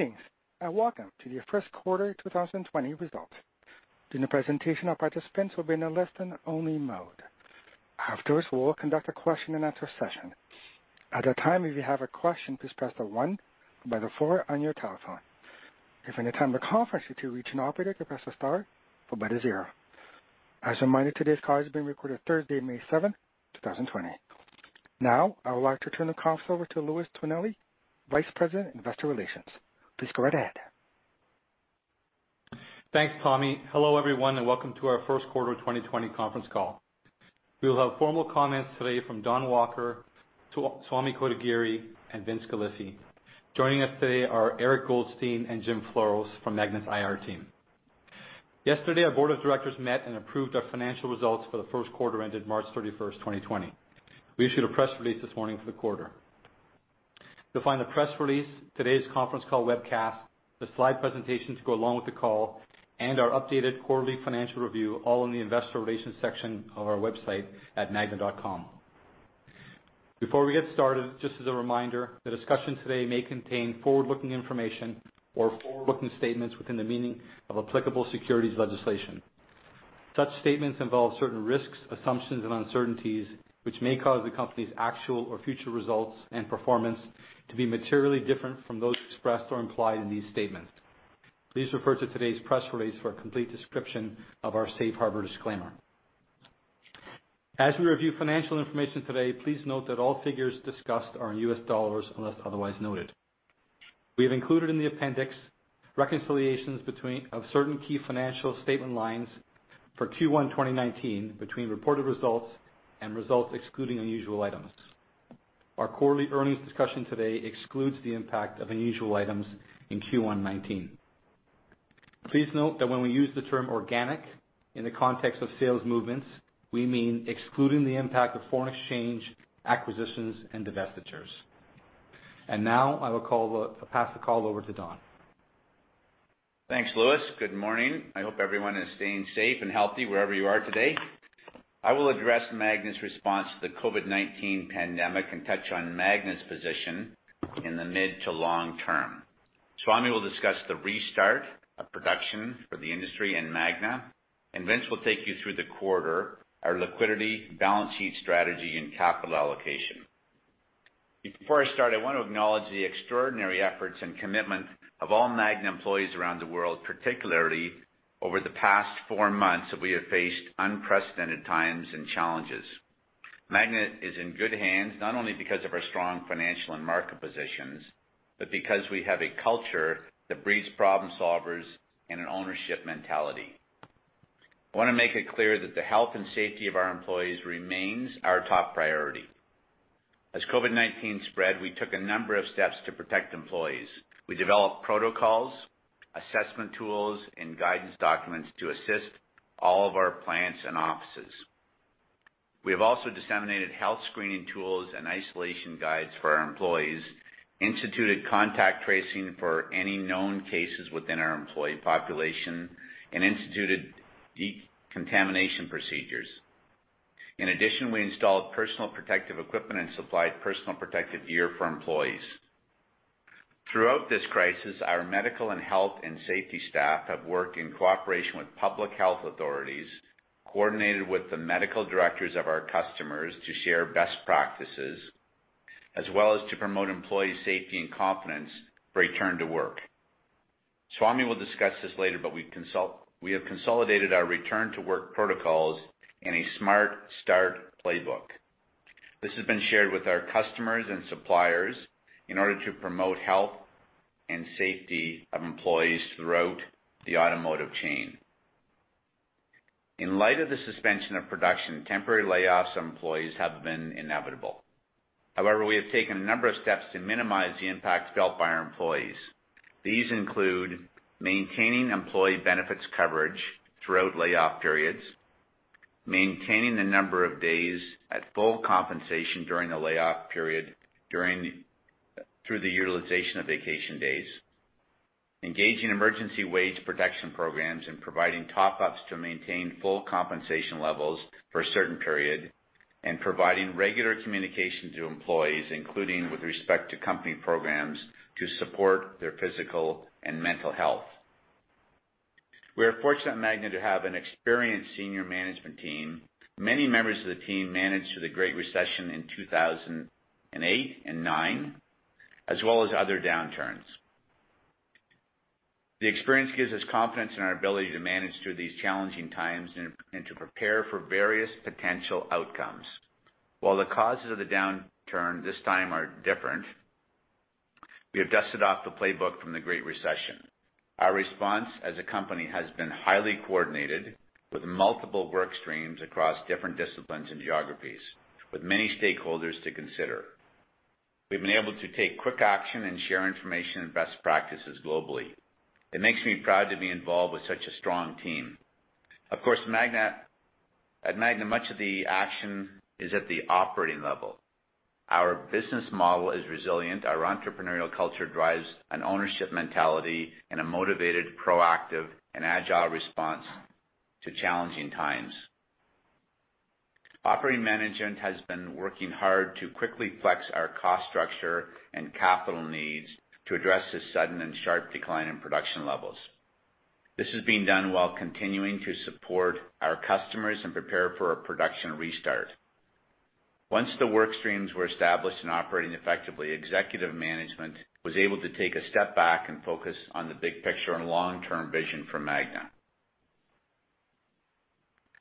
Greetings, and welcome to the first quarter 2020 results. During the presentation, our participants will be in a listen-only mode. Afterwards, we will conduct a question-and-answer session. At that time, if you have a question, please press the one or the four on your telephone. If at any time the conference is to a regional operator, you can press the star or the zero. As a reminder, today's call is being recorded Thursday, May 7, 2020. Now, I would like to turn the conference over to Louis Tonelli, Vice President, Investor Relations. Please go right ahead. Thanks, Tommy. Hello, everyone, and welcome to our first quarter 2020 conference call. We will have formal comments today from Don Walker, Swami Kotagiri, and Vince Galifi. Joining us today are Eric Goldstein and Jim Flores from Magna's IR team. Yesterday, our board of directors met and approved our financial results for the first quarter ended March 31, 2020. We issued a press release this morning for the quarter. You'll find the press release, today's conference call webcast, the slide presentations to go along with the call, and our updated quarterly financial review all in the Investor Relations section of our website at magna.com. Before we get started, just as a reminder, the discussion today may contain forward-looking information or forward-looking statements within the meaning of applicable securities legislation. Such statements involve certain risks, assumptions, and uncertainties, which may cause the company's actual or future results and performance to be materially different from those expressed or implied in these statements. Please refer to today's press release for a complete description of our safe harbor disclaimer. As we review financial information today, please note that all figures discussed are in U.S. dollars unless otherwise noted. We have included in the appendix reconciliations of certain key financial statement lines for Q1 2019 between reported results and results excluding unusual items. Our quarterly earnings discussion today excludes the impact of unusual items in Q1 2019. Please note that when we use the term organic in the context of sales movements, we mean excluding the impact of foreign exchange acquisitions and divestitures. I will pass the call over to Don. Thanks, Louis. Good morning. I hope everyone is staying safe and healthy wherever you are today. I will address Magna's response to the COVID-19 pandemic and touch on Magna's position in the mid to long term. Swami will discuss the restart of production for the industry and Magna, and Vince will take you through the quarter, our liquidity, balance sheet strategy, and capital allocation. Before I start, I want to acknowledge the extraordinary efforts and commitment of all Magna employees around the world, particularly over the past four months that we have faced unprecedented times and challenges. Magna is in good hands not only because of our strong financial and market positions, but because we have a culture that breeds problem solvers and an ownership mentality. I want to make it clear that the health and safety of our employees remains our top priority. As COVID-19 spread, we took a number of steps to protect employees. We developed protocols, assessment tools, and guidance documents to assist all of our plants and offices. We have also disseminated health screening tools and isolation guides for our employees, instituted contact tracing for any known cases within our employee population, and instituted decontamination procedures. In addition, we installed personal protective equipment and supplied personal protective gear for employees. Throughout this crisis, our medical and health and safety staff have worked in cooperation with public health authorities, coordinated with the medical directors of our customers to share best practices, as well as to promote employee safety and confidence for return to work. Swami will discuss this later, but we have consolidated our return-to-work protocols and a smart start playbook. This has been shared with our customers and suppliers in order to promote health and safety of employees throughout the automotive chain. In light of the suspension of production, temporary layoffs of employees have been inevitable. However, we have taken a number of steps to minimize the impact felt by our employees. These include maintaining employee benefits coverage throughout layoff periods, maintaining the number of days at full compensation during the layoff period through the utilization of vacation days, engaging emergency wage protection programs, and providing top-ups to maintain full compensation levels for a certain period, and providing regular communication to employees, including with respect to company programs to support their physical and mental health. We are fortunate at Magna to have an experienced senior management team. Many members of the team managed through the Great Recession in 2008 and 2009, as well as other downturns. The experience gives us confidence in our ability to manage through these challenging times and to prepare for various potential outcomes. While the causes of the downturn this time are different, we have dusted off the playbook from the Great Recession. Our response as a company has been highly coordinated with multiple work streams across different disciplines and geographies, with many stakeholders to consider. We've been able to take quick action and share information and best practices globally. It makes me proud to be involved with such a strong team. Of course, at Magna, much of the action is at the operating level. Our business model is resilient. Our entrepreneurial culture drives an ownership mentality and a motivated, proactive, and agile response to challenging times. Operating management has been working hard to quickly flex our cost structure and capital needs to address this sudden and sharp decline in production levels. This is being done while continuing to support our customers and prepare for a production restart. Once the work streams were established and operating effectively, executive management was able to take a step back and focus on the big picture and long-term vision for Magna.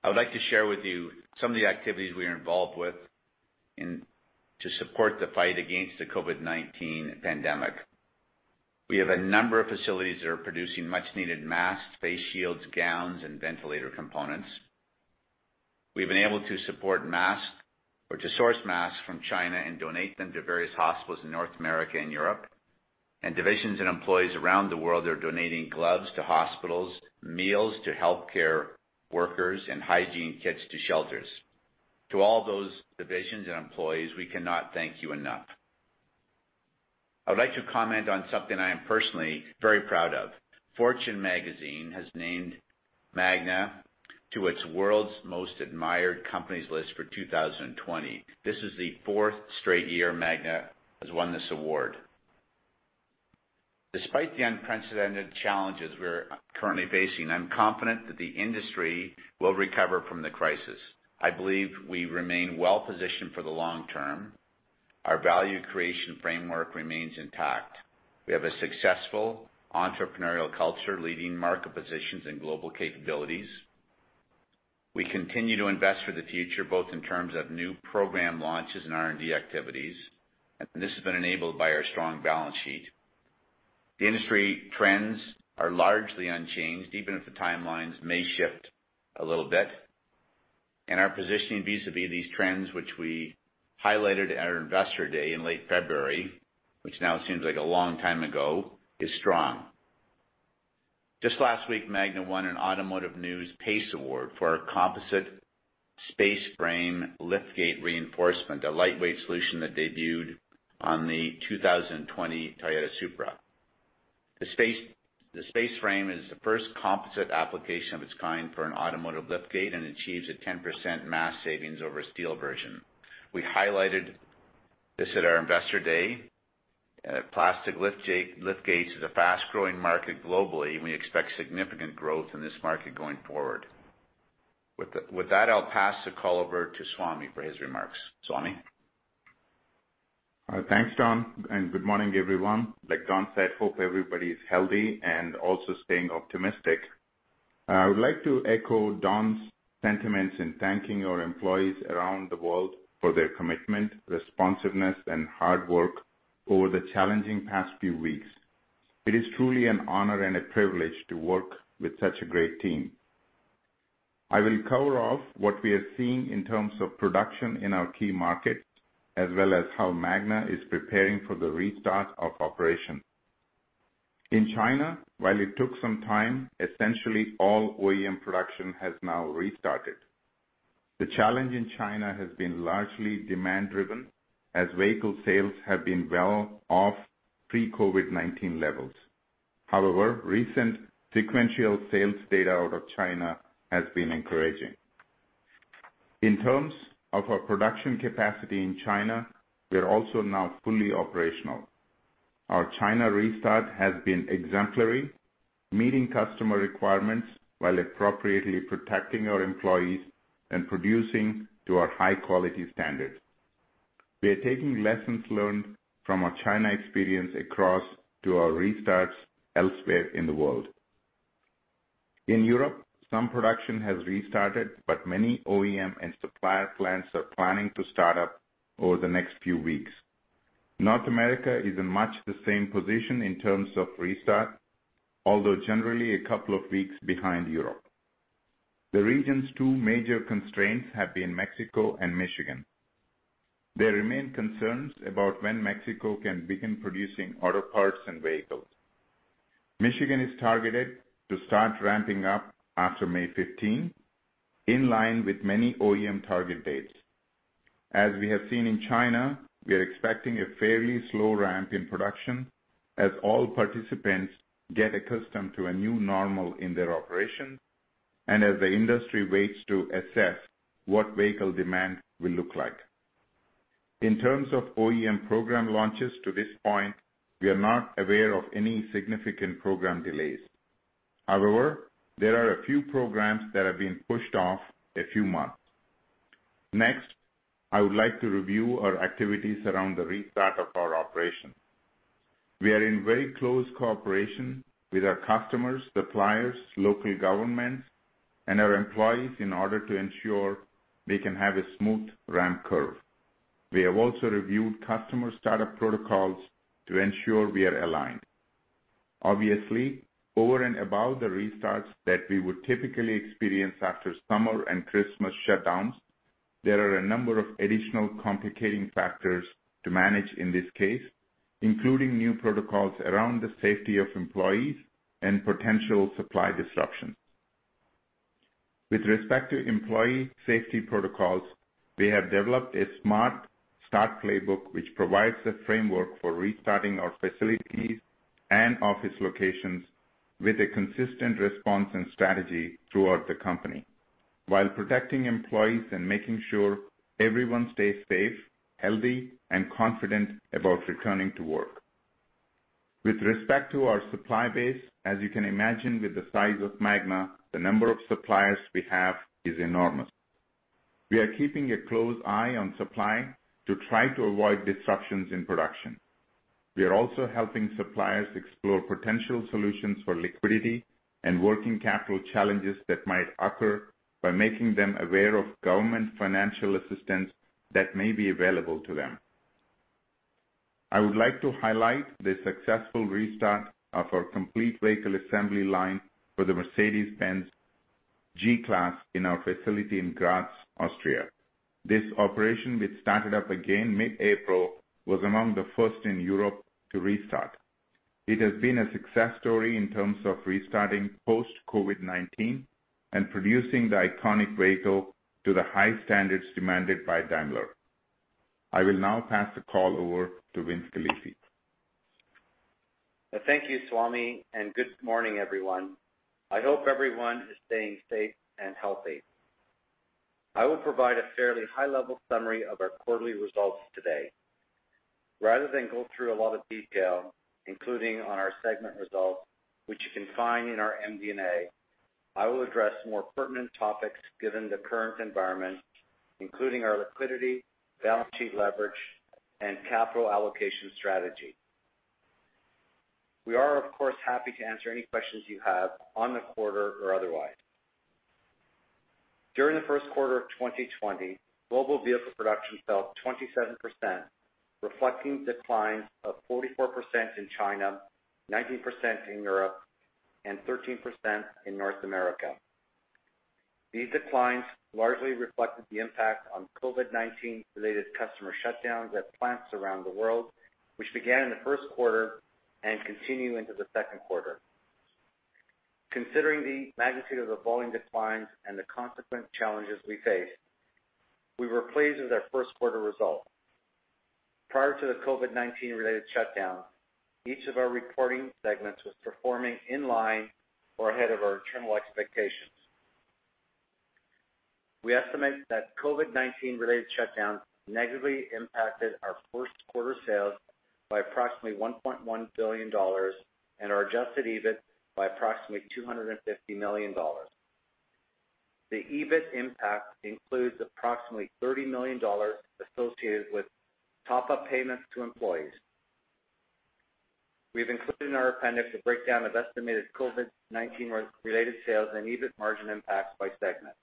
I would like to share with you some of the activities we are involved with to support the fight against the COVID-19 pandemic. We have a number of facilities that are producing much-needed masks, face shields, gowns, and ventilator components. We've been able to support masks or to source masks from China and donate them to various hospitals in North America and Europe. Divisions and employees around the world are donating gloves to hospitals, meals to healthcare workers, and hygiene kits to shelters. To all those divisions and employees, we cannot thank you enough. I would like to comment on something I am personally very proud of. Fortune Magazine has named Magna to its world's most admired companies list for 2020. This is the fourth straight year Magna has won this award. Despite the unprecedented challenges we're currently facing, I'm confident that the industry will recover from the crisis. I believe we remain well-positioned for the long term. Our value creation framework remains intact. We have a successful entrepreneurial culture, leading market positions, and global capabilities. We continue to invest for the future, both in terms of new program launches and R&D activities, and this has been enabled by our strong balance sheet. The industry trends are largely unchanged, even if the timelines may shift a little bit. Our positioning vis-à-vis these trends, which we highlighted at our investor day in late February, which now seems like a long time ago, is strong. Just last week, Magna won an Automotive News PACE Award for our composite space frame liftgate reinforcement, a lightweight solution that debuted on the 2020 Toyota Supra. The space frame is the first composite application of its kind for an automotive liftgate and achieves a 10% mass savings over a steel version. We highlighted this at our investor day. Plastic liftgates is a fast-growing market globally, and we expect significant growth in this market going forward. With that, I'll pass the call over to Swami for his remarks. Swami? Thanks, Don, and good morning, everyone. Like Don said, hope everybody is healthy and also staying optimistic. I would like to echo Don's sentiments in thanking our employees around the world for their commitment, responsiveness, and hard work over the challenging past few weeks. It is truly an honor and a privilege to work with such a great team. I will cover off what we are seeing in terms of production in our key markets, as well as how Magna is preparing for the restart of operations. In China, while it took some time, essentially all OEM production has now restarted. The challenge in China has been largely demand-driven, as vehicle sales have been well off pre-COVID-19 levels. However, recent sequential sales data out of China has been encouraging. In terms of our production capacity in China, we are also now fully operational. Our China restart has been exemplary, meeting customer requirements while appropriately protecting our employees and producing to our high-quality standards. We are taking lessons learned from our China experience across to our restarts elsewhere in the world. In Europe, some production has restarted, but many OEM and supplier plants are planning to start up over the next few weeks. North America is in much the same position in terms of restart, although generally a couple of weeks behind Europe. The region's two major constraints have been Mexico and Michigan. There remain concerns about when Mexico can begin producing auto parts and vehicles. Michigan is targeted to start ramping up after May 15, in line with many OEM target dates. As we have seen in China, we are expecting a fairly slow ramp in production as all participants get accustomed to a new normal in their operations and as the industry waits to assess what vehicle demand will look like. In terms of OEM program launches to this point, we are not aware of any significant program delays. However, there are a few programs that have been pushed off a few months. Next, I would like to review our activities around the restart of our operation. We are in very close cooperation with our customers, suppliers, local governments, and our employees in order to ensure we can have a smooth ramp curve. We have also reviewed customer startup protocols to ensure we are aligned. Obviously, over and above the restarts that we would typically experience after summer and Christmas shutdowns, there are a number of additional complicating factors to manage in this case, including new protocols around the safety of employees and potential supply disruptions. With respect to employee safety protocols, we have developed a smart start playbook, which provides a framework for restarting our facilities and office locations with a consistent response and strategy throughout the company, while protecting employees and making sure everyone stays safe, healthy, and confident about returning to work. With respect to our supply base, as you can imagine, with the size of Magna, the number of suppliers we have is enormous. We are keeping a close eye on supply to try to avoid disruptions in production. We are also helping suppliers explore potential solutions for liquidity and working capital challenges that might occur by making them aware of government financial assistance that may be available to them. I would like to highlight the successful restart of our complete vehicle assembly line for the Mercedes-Benz G-Class in our facility in Graz, Austria. This operation, which started up again mid-April, was among the first in Europe to restart. It has been a success story in terms of restarting post-COVID-19 and producing the iconic vehicle to the high standards demanded by Daimler. I will now pass the call over to Vince Galifi. Thank you, Swami, and good morning, everyone. I hope everyone is staying safe and healthy. I will provide a fairly high-level summary of our quarterly results today. Rather than go through a lot of detail, including on our segment results, which you can find in our MD&A, I will address more pertinent topics given the current environment, including our liquidity, balance sheet leverage, and capital allocation strategy. We are, of course, happy to answer any questions you have on the quarter or otherwise. During the first quarter of 2020, global vehicle production fell 27%, reflecting declines of 44% in China, 19% in Europe, and 13% in North America. These declines largely reflected the impact on COVID-19-related customer shutdowns at plants around the world, which began in the first quarter and continued into the second quarter. Considering the magnitude of the volume declines and the consequent challenges we faced, we were pleased with our first-quarter result. Prior to the COVID-19-related shutdowns, each of our reporting segments was performing in line or ahead of our internal expectations. We estimate that COVID-19-related shutdowns negatively impacted our first-quarter sales by approximately $1.1 billion and our adjusted EBIT by approximately $250 million. The EBIT impact includes approximately $30 million associated with top-up payments to employees. We've included in our appendix a breakdown of estimated COVID-19-related sales and EBIT margin impacts by segment.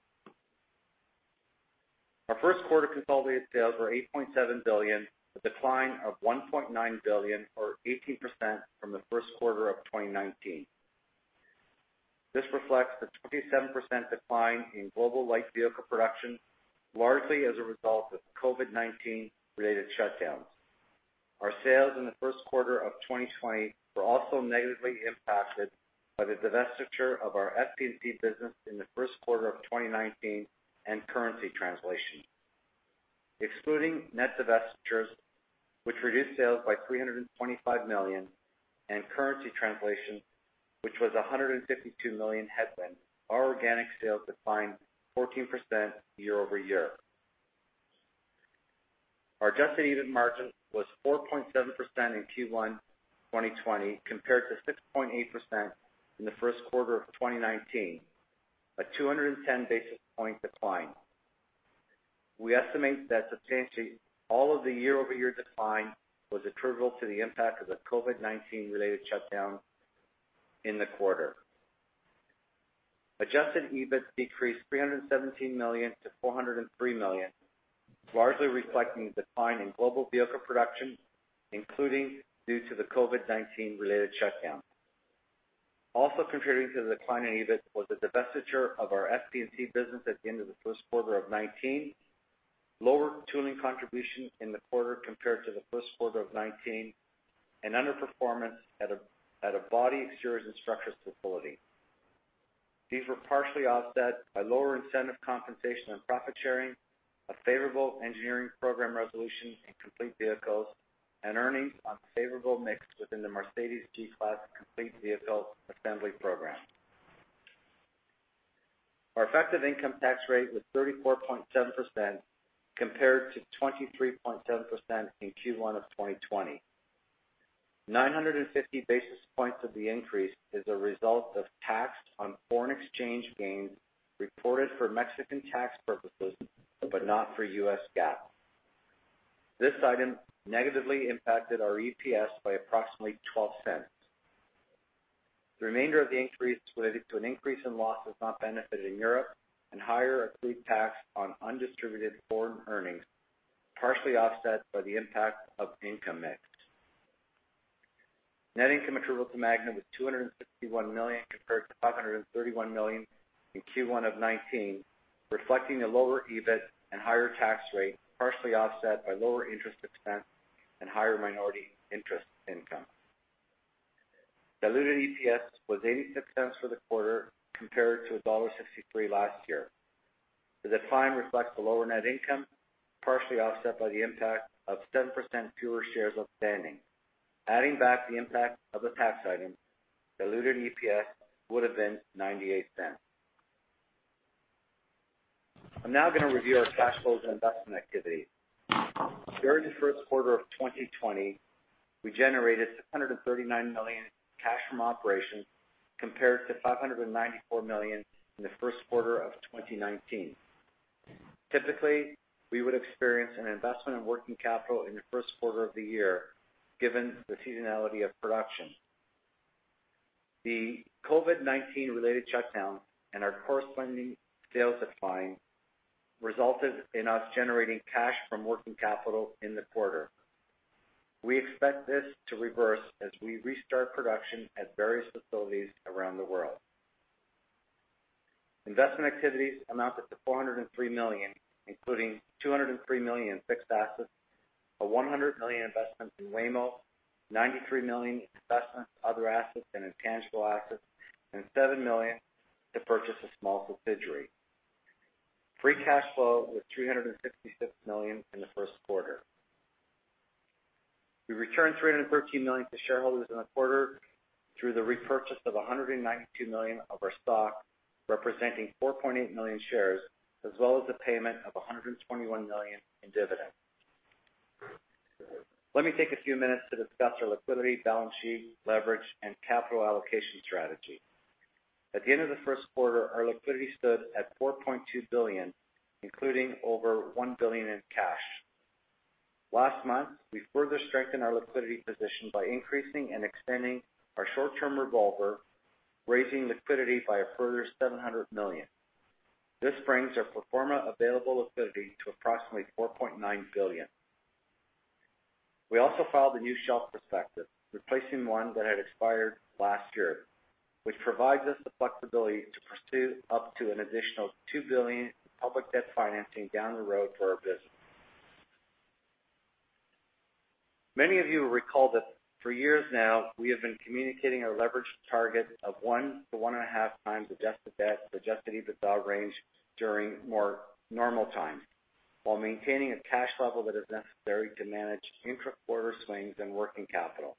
Our first-quarter consolidated sales were $8.7 billion, a decline of $1.9 billion, or 18%, from the first quarter of 2019. This reflects the 27% decline in global light vehicle production, largely as a result of COVID-19-related shutdowns. Our sales in the first quarter of 2020 were also negatively impacted by the divestiture of our FTC business in the first quarter of 2019 and currency translation. Excluding net divestitures, which reduced sales by $325 million, and currency translation, which was a $152 million headwind, our organic sales declined 14% year over year. Our adjusted EBIT margin was 4.7% in Q1 2020 compared to 6.8% in the first quarter of 2019, a 210 basis point decline. We estimate that substantially all of the year-over-year decline was attributable to the impact of the COVID-19-related shutdown in the quarter. Adjusted EBIT decreased $317 million to $403 million, largely reflecting the decline in global vehicle production, including due to the COVID-19-related shutdown. Also contributing to the decline in EBIT was the divestiture of our FTC business at the end of the first quarter of 2019, lower tooling contribution in the quarter compared to the first quarter of 2019, and underperformance at a body exterior and structures facility. These were partially offset by lower incentive compensation and profit sharing, a favorable engineering program resolution in complete vehicles, and earnings on favorable mix within the Mercedes-Benz G-Class complete vehicle assembly program. Our effective income tax rate was 34.7% compared to 23.7% in Q1 of 2020. 950 basis points of the increase is a result of tax on foreign exchange gains reported for Mexican tax purposes, but not for U.S. GAAP. This item negatively impacted our EPS by approximately $0.12. The remainder of the increase related to an increase in losses not benefited in Europe and higher accrued tax on undistributed foreign earnings, partially offset by the impact of income mix. Net income attributable to Magna was $261 million compared to $531 million in Q1 of 2019, reflecting a lower EBIT and higher tax rate, partially offset by lower interest expense and higher minority interest income. Diluted EPS was $0.86 for the quarter compared to $1.63 last year. The decline reflects the lower net income, partially offset by the impact of 7% fewer shares outstanding. Adding back the impact of the tax item, diluted EPS would have been $0.98. I'm now going to review our cash flows and investment activity. During the first quarter of 2020, we generated $639 million in cash from operations compared to $594 million in the first quarter of 2019. Typically, we would experience an investment in working capital in the first quarter of the year given the seasonality of production. The COVID-19-related shutdown and our corresponding sales decline resulted in us generating cash from working capital in the quarter. We expect this to reverse as we restart production at various facilities around the world. Investment activities amounted to $403 million, including $203 million in fixed assets, a $100 million investment in Waymo, $93 million in investment in other assets and intangible assets, and $7 million to purchase a small subsidiary. Free cash flow was $366 million in the first quarter. We returned $313 million to shareholders in the quarter through the repurchase of $192 million of our stock, representing 4.8 million shares, as well as a payment of $121 million in dividends. Let me take a few minutes to discuss our liquidity, balance sheet, leverage, and capital allocation strategy. At the end of the first quarter, our liquidity stood at $4.2 billion, including over $1 billion in cash. Last month, we further strengthened our liquidity position by increasing and extending our short-term revolver, raising liquidity by a further $700 million. This brings our proforma available liquidity to approximately $4.9 billion. We also filed a new shelf prospectus, replacing one that had expired last year, which provides us the flexibility to pursue up to an additional $2 billion in public debt financing down the road for our business. Many of you will recall that for years now, we have been communicating our leverage target of 1-1.5 times adjusted debt to adjusted EBITDA range during more normal times, while maintaining a cash level that is necessary to manage intra-quarter swings in working capital.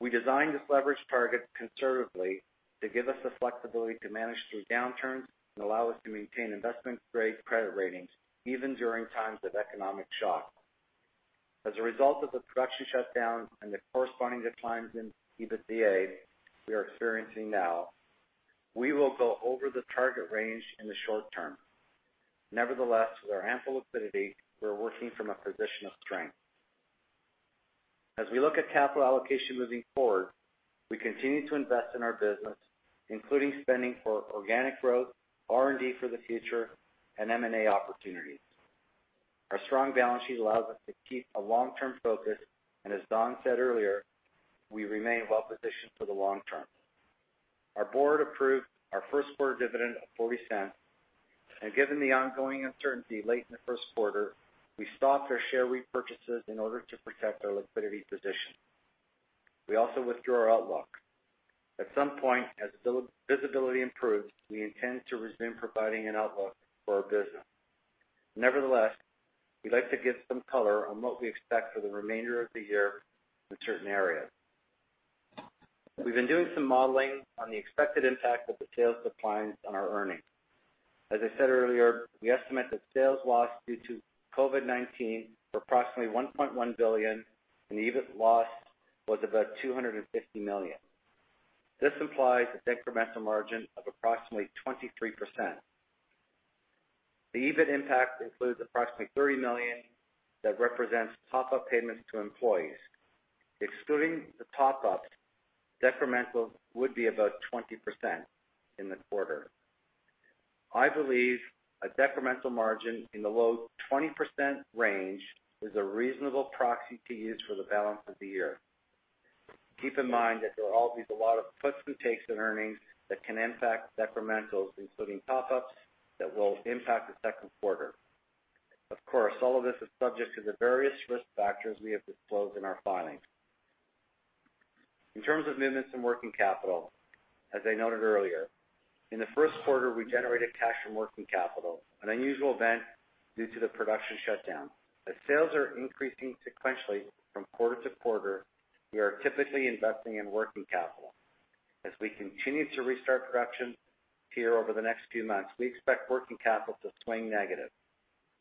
We designed this leverage target conservatively to give us the flexibility to manage through downturns and allow us to maintain investment-grade credit ratings even during times of economic shock. As a result of the production shutdowns and the corresponding declines in EBITDA we are experiencing now, we will go over the target range in the short term. Nevertheless, with our ample liquidity, we're working from a position of strength. As we look at capital allocation moving forward, we continue to invest in our business, including spending for organic growth, R&D for the future, and M&A opportunities. Our strong balance sheet allows us to keep a long-term focus, and as Don said earlier, we remain well-positioned for the long term. Our board approved our first-quarter dividend of $0.40, and given the ongoing uncertainty late in the first quarter, we stopped our share repurchases in order to protect our liquidity position. We also withdrew our Outlook. At some point, as visibility improves, we intend to resume providing an Outlook for our business. Nevertheless, we'd like to give some color on what we expect for the remainder of the year in certain areas. We've been doing some modeling on the expected impact of the sales declines on our earnings. As I said earlier, we estimate that sales lost due to COVID-19 were approximately $1.1 billion, and EBIT lost was about $250 million. This implies a decremental margin of approximately 23%. The EBIT impact includes approximately $30 million that represents top-up payments to employees. Excluding the top-ups, decremental would be about 20% in the quarter. I believe a decremental margin in the low 20% range is a reasonable proxy to use for the balance of the year. Keep in mind that there will always be a lot of puts and takes in earnings that can impact decrementals, including top-ups that will impact the second quarter. Of course, all of this is subject to the various risk factors we have disclosed in our filings. In terms of movements in working capital, as I noted earlier, in the first quarter, we generated cash from working capital, an unusual event due to the production shutdown. As sales are increasing sequentially from quarter to quarter, we are typically investing in working capital. As we continue to restart production here over the next few months, we expect working capital to swing negative.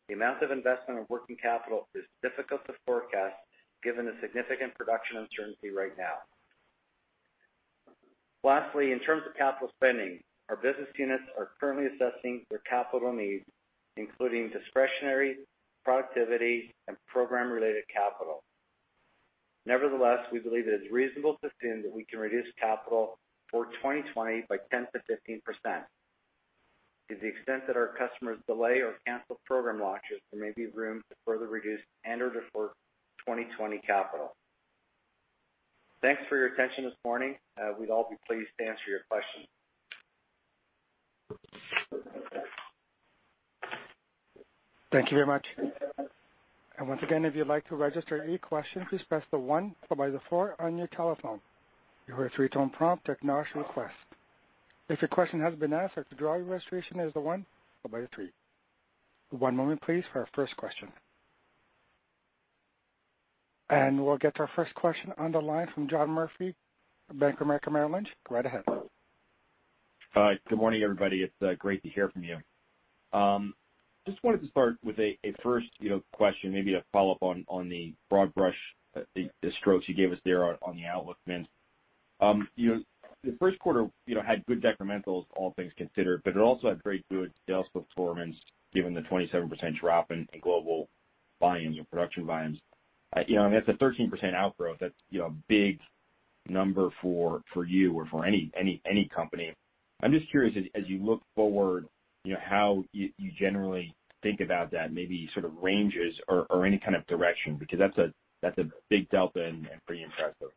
The amount of investment in working capital is difficult to forecast given the significant production uncertainty right now. Lastly, in terms of capital spending, our business units are currently assessing their capital needs, including discretionary, productivity, and program-related capital. Nevertheless, we believe it is reasonable to assume that we can reduce capital for 2020 by 10-15%. To the extent that our customers delay or cancel program launches, there may be room to further reduce and/or defer 2020 capital. Thanks for your attention this morning. We'd all be pleased to answer your questions. Thank you very much. If you'd like to register any question, please press the one followed by the four on your telephone. You heard a three-tone prompt that can ask your request. If your question has been answered, the drawer registration is thoseone followed by the three. One moment, please, for our first question. We will get to our first question on the line from John Murphy, Bank of America Merrill Lynch. Go right ahead. Good morning, everybody. It's great to hear from you. Just wanted to start with a first question, maybe a follow-up on the broad brush, the strokes you gave us there on the Outlook spend. The first quarter had good decrementals, all things considered, but it also had very good sales performance given the 27% drop in global volumes or production volumes. That's a 13% outgrowth. That's a big number for you or for any company. I'm just curious, as you look forward, how you generally think about that, maybe sort of ranges or any kind of direction, because that's a big delta and pretty impressive.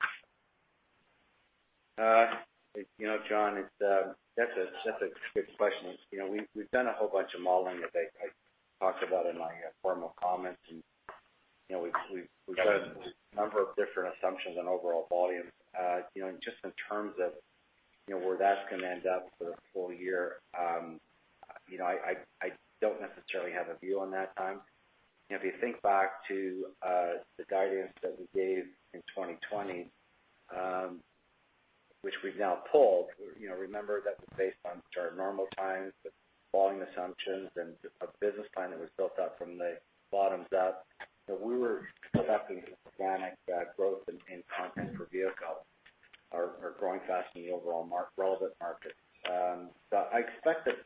John, that's a good question. We've done a whole bunch of modeling that I talked about in my formal comments, and we've done a number of different assumptions on overall volume. Just in terms of where that's going to end up for the full year, I don't necessarily have a view on that time. If you think back to the guidance that we gave in 2020, which we've now pulled, remember that was based on sort of normal times, the following assumptions, and a business plan that was built up from the bottoms up. We were expecting organic growth in content for vehicles. Are growing fast in the overall relevant market. I expect that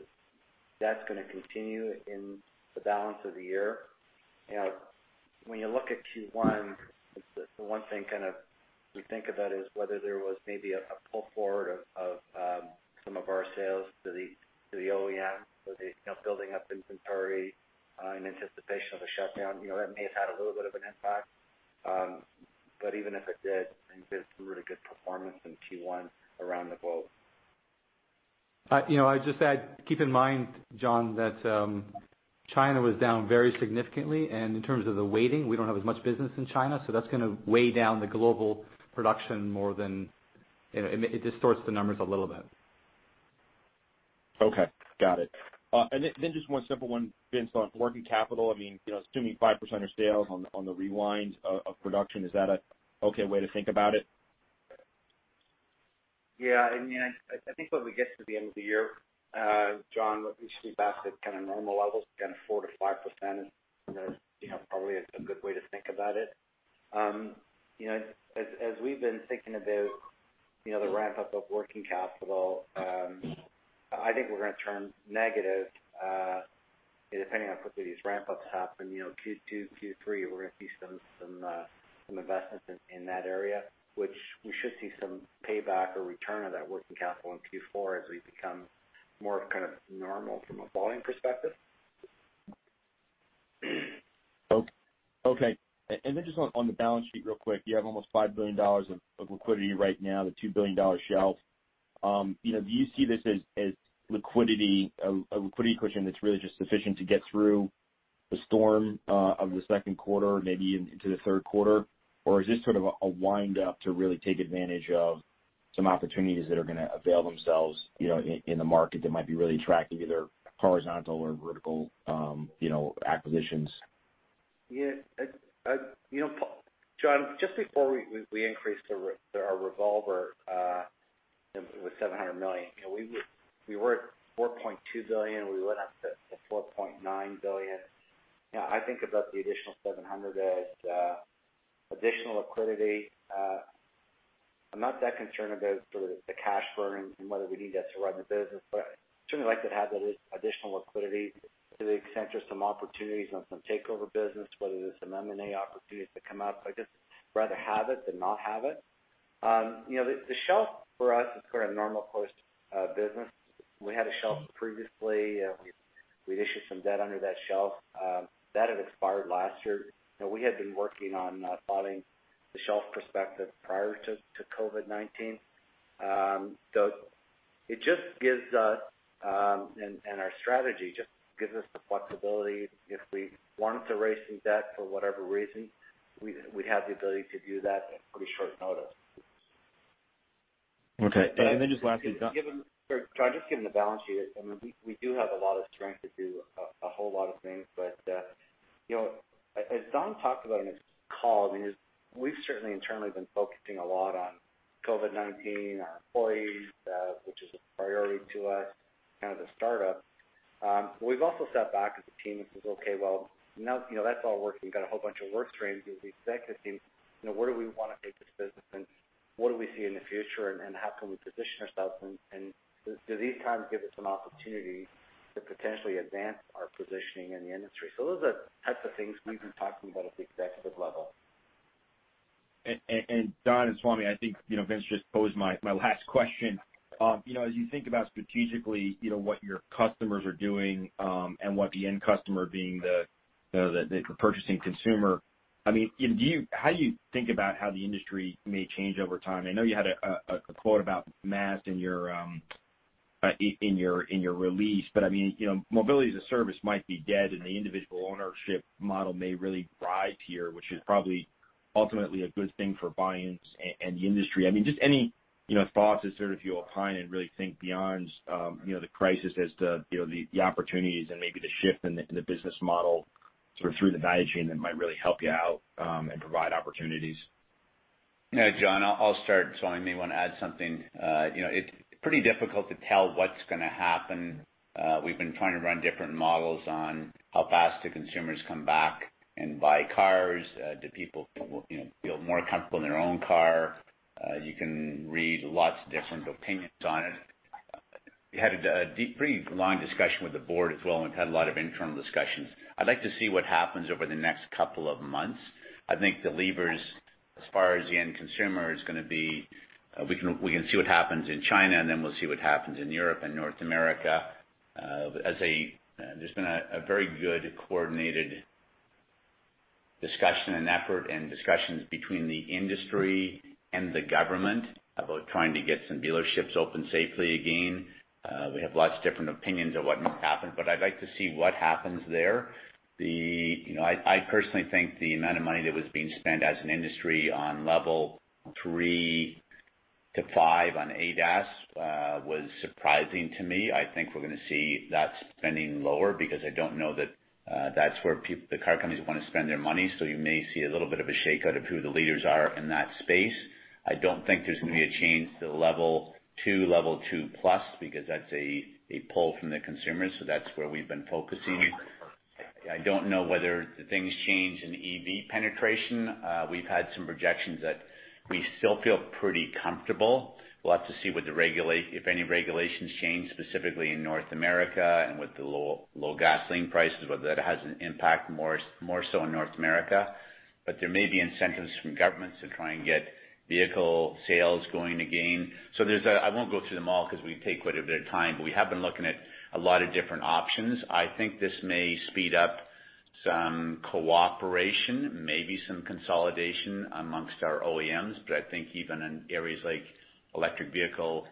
that's going to continue in the balance of the year. When you look at Q1, the one thing kind of we think about is whether there was maybe a pull forward of some of our sales to the OEM, building up inventory in anticipation of a shutdown. That may have had a little bit of an impact, but even if it did, we did some really good performance in Q1 around the globe. I'd just add, keep in mind, John, that China was down very significantly, and in terms of the weighting, we don't have as much business in China, so that's going to weigh down the global production more than it distorts the numbers a little bit. Okay. Got it. And then just one simple one, Vincent, on working capital. I mean, assuming 5% of sales on the rewind of production, is that an okay way to think about it? Yeah. I mean, I think when we get to the end of the year, John, we should be back to kind of normal levels, kind of 4-5% is probably a good way to think about it. As we've been thinking about the ramp-up of working capital, I think we're going to turn negative, depending on how quickly these ramp-ups happen. Q2, Q3, we're going to see some investments in that area, which we should see some payback or return of that working capital in Q4 as we become more kind of normal from a volume perspective. Okay. Just on the balance sheet real quick, you have almost $5 billion of liquidity right now, the $2 billion shelf. Do you see this as liquidity, a liquidity question that's really just sufficient to get through the storm of the second quarter, maybe into the third quarter? Is this sort of a wind-up to really take advantage of some opportunities that are going to avail themselves in the market that might be really attractive, either horizontal or vertical acquisitions? Yeah. John, just before we increased our revolver with $700 million, we were at $4.2 billion. We went up to $4.9 billion. I think about the additional $700 million as additional liquidity. I'm not that concerned about sort of the cash burden and whether we need that to run the business, but I certainly like to have that additional liquidity to the extent there's some opportunities on some takeover business, whether there's some M&A opportunities that come up. I just rather have it than not have it. The shelf for us is quite a normal-close business. We had a shelf previously. We'd issued some debt under that shelf. That had expired last year. We had been working on funding the shelf perspective prior to COVID-19. It just gives us, and our strategy just gives us the flexibility. If we wanted to raise some debt for whatever reason, we'd have the ability to do that at pretty short notice. Okay. Lastly. John, just given the balance sheet, I mean, we do have a lot of strength to do a whole lot of things, but as Don talked about in his call, we've certainly internally been focusing a lot on COVID-19, our employees, which is a priority to us, kind of the startup. We've also sat back as a team and said, "Okay, now that's all working. We've got a whole bunch of work streams." The executive team, where do we want to take this business, and what do we see in the future, and how can we position ourselves? Do these times give us an opportunity to potentially advance our positioning in the industry? Those are the types of things we've been talking about at the executive level. Don, and Swami, I think Vincent just posed my last question. As you think about strategically what your customers are doing and what the end customer being the purchasing consumer, I mean, how do you think about how the industry may change over time? I know you had a quote about MAST in your release, but I mean, mobility as a service might be dead, and the individual ownership model may really rise here, which is probably ultimately a good thing for buy-ins and the industry. I mean, just any thoughts as sort of you'll opine and really think beyond the crisis as to the opportunities and maybe the shift in the business model sort of through the value chain that might really help you out and provide opportunities. Yeah, John, I'll start. Swami, maybe you want to add something. It's pretty difficult to tell what's going to happen. We've been trying to run different models on how fast do consumers come back and buy cars? Do people feel more comfortable in their own car? You can read lots of different opinions on it. We had a pretty long discussion with the board as well, and we've had a lot of internal discussions. I'd like to see what happens over the next couple of months. I think the levers, as far as the end consumer, is going to be we can see what happens in China, and then we'll see what happens in Europe and North America. There's been a very good coordinated discussion and effort and discussions between the industry and the government about trying to get some dealerships open safely again. We have lots of different opinions on what might happen, but I'd like to see what happens there. I personally think the amount of money that was being spent as an industry on level three to five on ADAS was surprising to me. I think we're going to see that spending lower because I don't know that that's where the car companies want to spend their money, so you may see a little bit of a shakeout of who the leaders are in that space. I don't think there's going to be a change to level two, level two plus, because that's a pull from the consumers, so that's where we've been focusing. I don't know whether the things change in EV penetration. We've had some projections that we still feel pretty comfortable. We'll have to see if any regulations change, specifically in North America and with the low gasoline prices, whether that has an impact more so in North America. There may be incentives from governments to try and get vehicle sales going again. I won't go through them all because we take quite a bit of time, but we have been looking at a lot of different options. I think this may speed up some cooperation, maybe some consolidation amongst our OEMs. I think even in areas like electric vehicle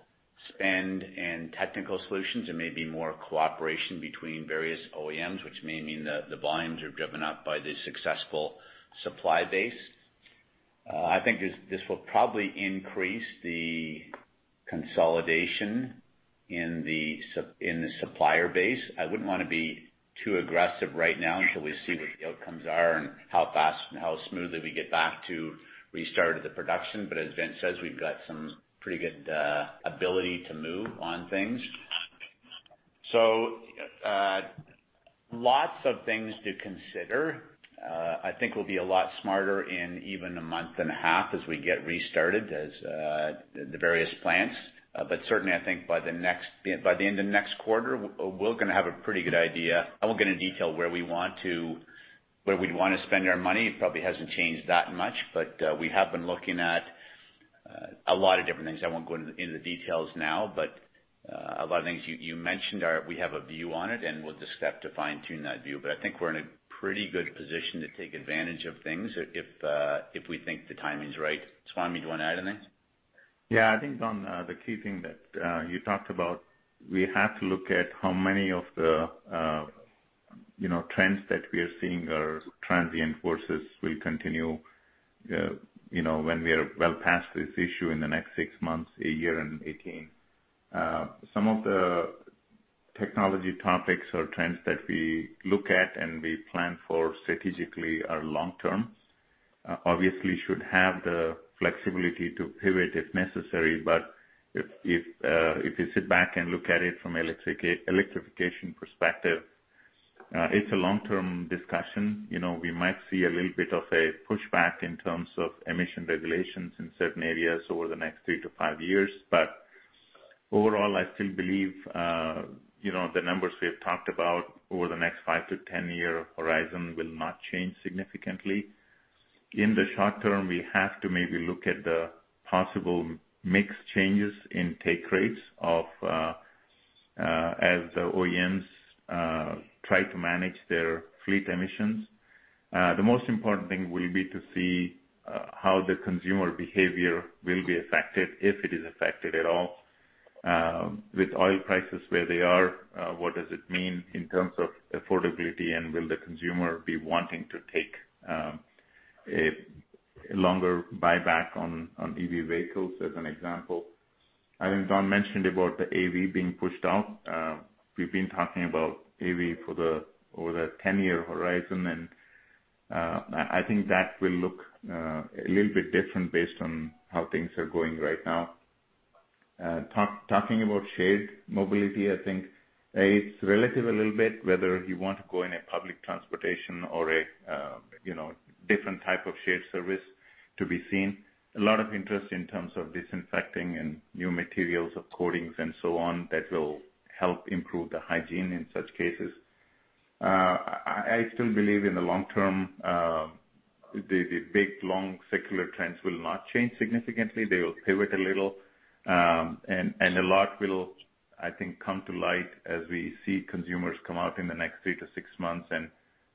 spend and technical solutions, there may be more cooperation between various OEMs, which may mean the volumes are driven up by the successful supply base. I think this will probably increase the consolidation in the supplier base. I would not want to be too aggressive right now until we see what the outcomes are and how fast and how smoothly we get back to restarting the production, but as Vin says, we have got some pretty good ability to move on things. Lots of things to consider. I think we will be a lot smarter in even a month and a half as we get restarted at the various plants. Certainly, I think by the end of next quarter, we are going to have a pretty good idea. I will not get into detail where we want to, where we would want to spend our money. It probably has not changed that much, but we have been looking at a lot of different things. I won't go into the details now, but a lot of things you mentioned are we have a view on it, and we'll just have to fine-tune that view. I think we're in a pretty good position to take advantage of things if we think the timing's right. Swami, do you want to add anything? Yeah. I think, John, the key thing that you talked about, we have to look at how many of the trends that we are seeing are transient versus will continue when we are well past this issue in the next six months, a year and 18. Some of the technology topics or trends that we look at and we plan for strategically are long-term. Obviously, we should have the flexibility to pivot if necessary, but if you sit back and look at it from an electrification perspective, it's a long-term discussion. We might see a little bit of a pushback in terms of emission regulations in certain areas over the next three to five years, but overall, I still believe the numbers we have talked about over the next 5- to 10-year horizon will not change significantly. In the short term, we have to maybe look at the possible mix changes in take rates as the OEMs try to manage their fleet emissions. The most important thing will be to see how the consumer behavior will be affected, if it is affected at all. With oil prices where they are, what does it mean in terms of affordability, and will the consumer be wanting to take a longer buyback on EV vehicles as an example? I think Don mentioned about the AV being pushed out. We've been talking about AV for the over the 10-year horizon, and I think that will look a little bit different based on how things are going right now. Talking about shared mobility, I think it's relative a little bit, whether you want to go in a public transportation or a different type of shared service to be seen. A lot of interest in terms of disinfecting and new materials of coatings and so on that will help improve the hygiene in such cases. I still believe in the long term, the big long circular trends will not change significantly. They will pivot a little, and a lot will, I think, come to light as we see consumers come out in the next three to six months and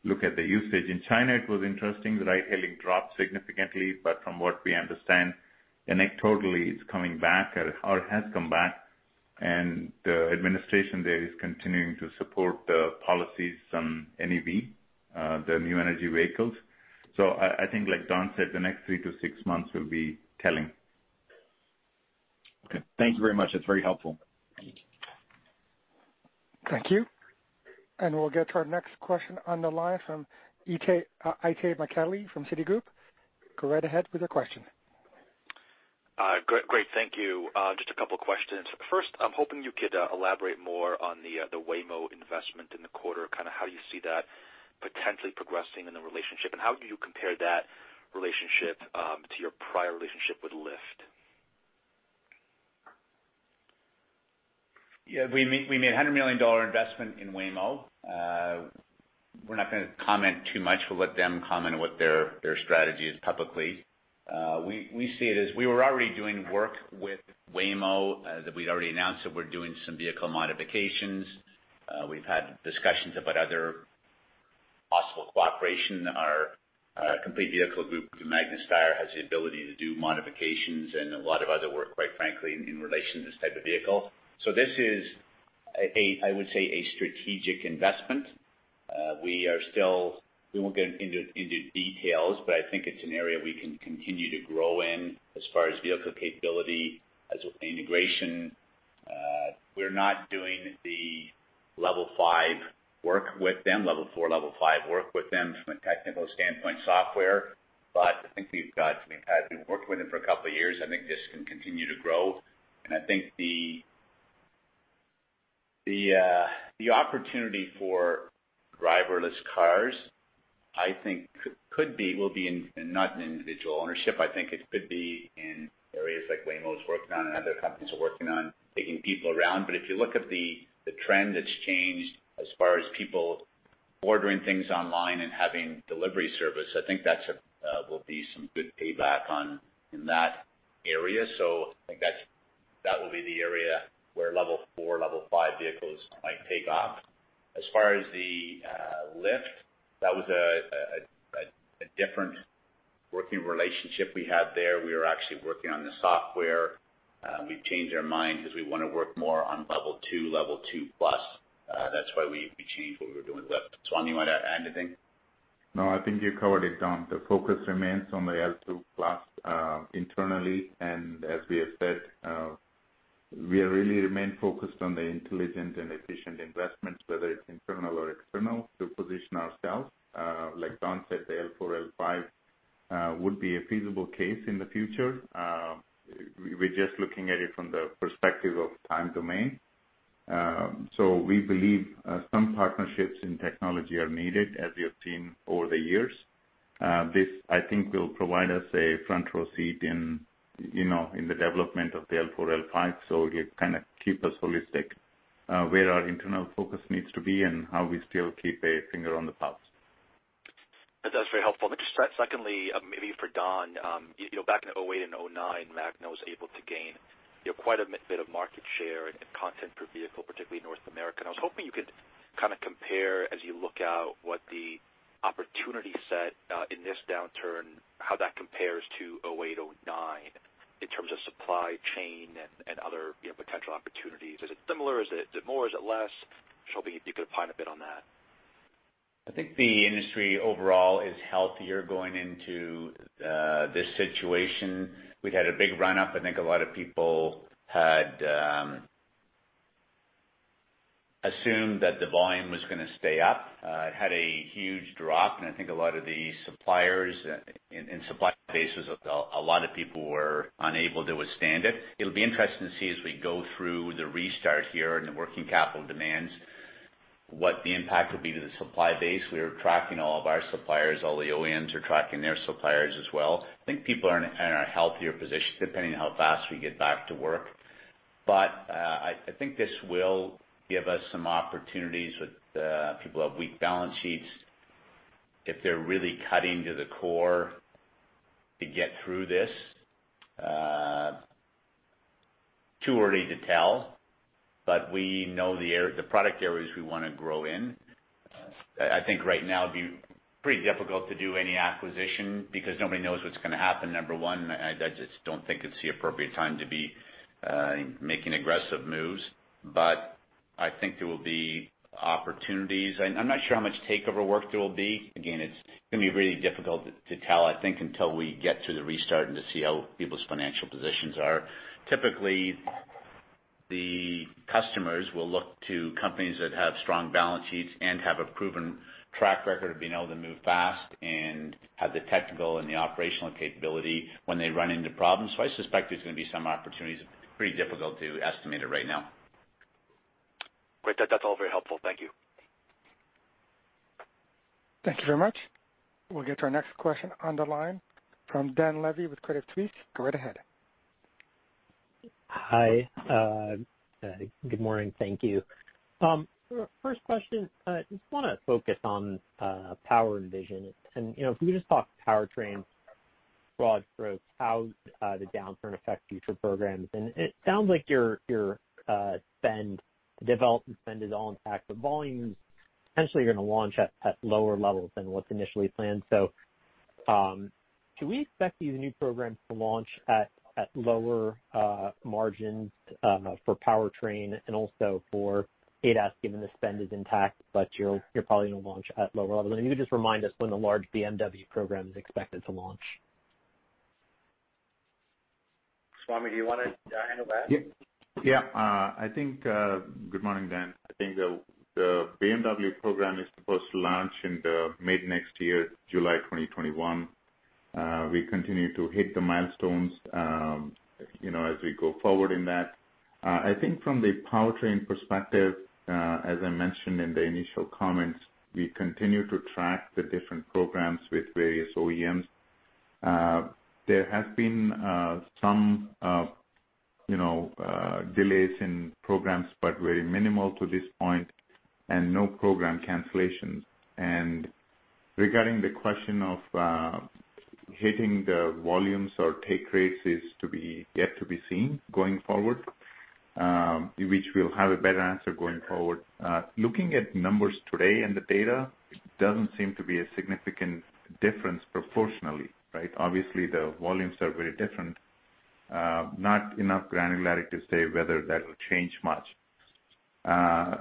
look at the usage. In China, it was interesting. The ride-hailing dropped significantly, but from what we understand, anecdotally, it's coming back or has come back, and the administration there is continuing to support the policies on NEV, the new energy vehicles. I think, like Don said, the next three to six months will be telling. Okay. Thank you very much. That's very helpful. Thank you. We will get to our next question on the line from IT McCally from Citigroup. Go right ahead with your question. Great. Thank you. Just a couple of questions. First, I'm hoping you could elaborate more on the Waymo investment in the quarter, kind of how do you see that potentially progressing in the relationship, and how do you compare that relationship to your prior relationship with Lyft? Yeah. We made a $100 million investment in Waymo. We're not going to comment too much. We'll let them comment on what their strategy is publicly. We see it as we were already doing work with Waymo that we'd already announced that we're doing some vehicle modifications. We've had discussions about other possible cooperation. Our complete vehicle group, Magna Steyr, has the ability to do modifications and a lot of other work, quite frankly, in relation to this type of vehicle. This is, I would say, a strategic investment. We won't get into details, but I think it's an area we can continue to grow in as far as vehicle capability, as integration. We're not doing the level five work with them, level four, level five work with them from a technical standpoint software, but I think we've had been working with them for a couple of years. I think this can continue to grow. I think the opportunity for driverless cars, I think, could be not in individual ownership. I think it could be in areas like Waymo is working on and other companies are working on taking people around. If you look at the trend that's changed as far as people ordering things online and having delivery service, I think that will be some good payback in that area. I think that will be the area where level four, level five vehicles might take off. As far as the Lyft, that was a different working relationship we had there. We were actually working on the software. We've changed our mind because we want to work more on level two, level two plus. That's why we changed what we were doing with Lyft. Swami, you want to add anything? No, I think you covered it, Don. The focus remains on the L2 plus internally, and as we have said, we really remain focused on the intelligent and efficient investments, whether it's internal or external, to position ourselves. Like Don said, the L4, L5 would be a feasible case in the future. We are just looking at it from the perspective of time domain. We believe some partnerships in technology are needed, as we have seen over the years. This, I think, will provide us a front-row seat in the development of the L4, L5, so it will kind of keep us holistic where our internal focus needs to be and how we still keep a finger on the pulse. That's very helpful. Just secondly, maybe for Don, back in 2008 and 2009, Magna was able to gain quite a bit of market share and content per vehicle, particularly North America. I was hoping you could kind of compare, as you look out, what the opportunity set in this downturn, how that compares to 2008, 2009 in terms of supply chain and other potential opportunities. Is it similar? Is it more? Is it less? Just hoping you could opine a bit on that. I think the industry overall is healthier going into this situation. We'd had a big run-up. I think a lot of people had assumed that the volume was going to stay up. It had a huge drop, and I think a lot of the suppliers and supply bases, a lot of people were unable to withstand it. It'll be interesting to see as we go through the restart here and the working capital demands what the impact will be to the supply base. We're tracking all of our suppliers. All the OEMs are tracking their suppliers as well. I think people are in a healthier position, depending on how fast we get back to work. I think this will give us some opportunities with people who have weak balance sheets. If they're really cutting to the core to get through this, too early to tell, but we know the product areas we want to grow in. I think right now it'd be pretty difficult to do any acquisition because nobody knows what's going to happen, number one. I just don't think it's the appropriate time to be making aggressive moves, but I think there will be opportunities. I'm not sure how much takeover work there will be. Again, it's going to be really difficult to tell, I think, until we get to the restart and to see how people's financial positions are. Typically, the customers will look to companies that have strong balance sheets and have a proven track record of being able to move fast and have the technical and the operational capability when they run into problems. I suspect there's going to be some opportunities. It's pretty difficult to estimate it right now. Great. That's all very helpful. Thank you. Thank you very much. We'll get to our next question on the line from Dan Levy with Credit Suisse. Go right ahead. Hi. Good morning. Thank you. First question, I just want to focus on power and vision. If we just talk powertrains, broad strokes, how the downturn affects future programs. It sounds like your spend, the development spend, is all intact, but volumes potentially are going to launch at lower levels than what was initially planned. Do we expect these new programs to launch at lower margins for powertrain and also for ADAS, given the spend is intact, but you're probably going to launch at lower levels? Could you just remind us when the large BMW program is expected to launch? Swami, do you want to handle that? Yeah. I think good morning, Dan. I think the BMW program is supposed to launch in mid next year, July 2021. We continue to hit the milestones as we go forward in that. I think from the powertrain perspective, as I mentioned in the initial comments, we continue to track the different programs with various OEMs. There has been some delays in programs, but very minimal to this point, and no program cancellations. Regarding the question of hitting the volumes or take rates is yet to be seen going forward, which we'll have a better answer going forward. Looking at numbers today and the data, it does not seem to be a significant difference proportionally, right? Obviously, the volumes are very different. Not enough granularity to say whether that will change much. The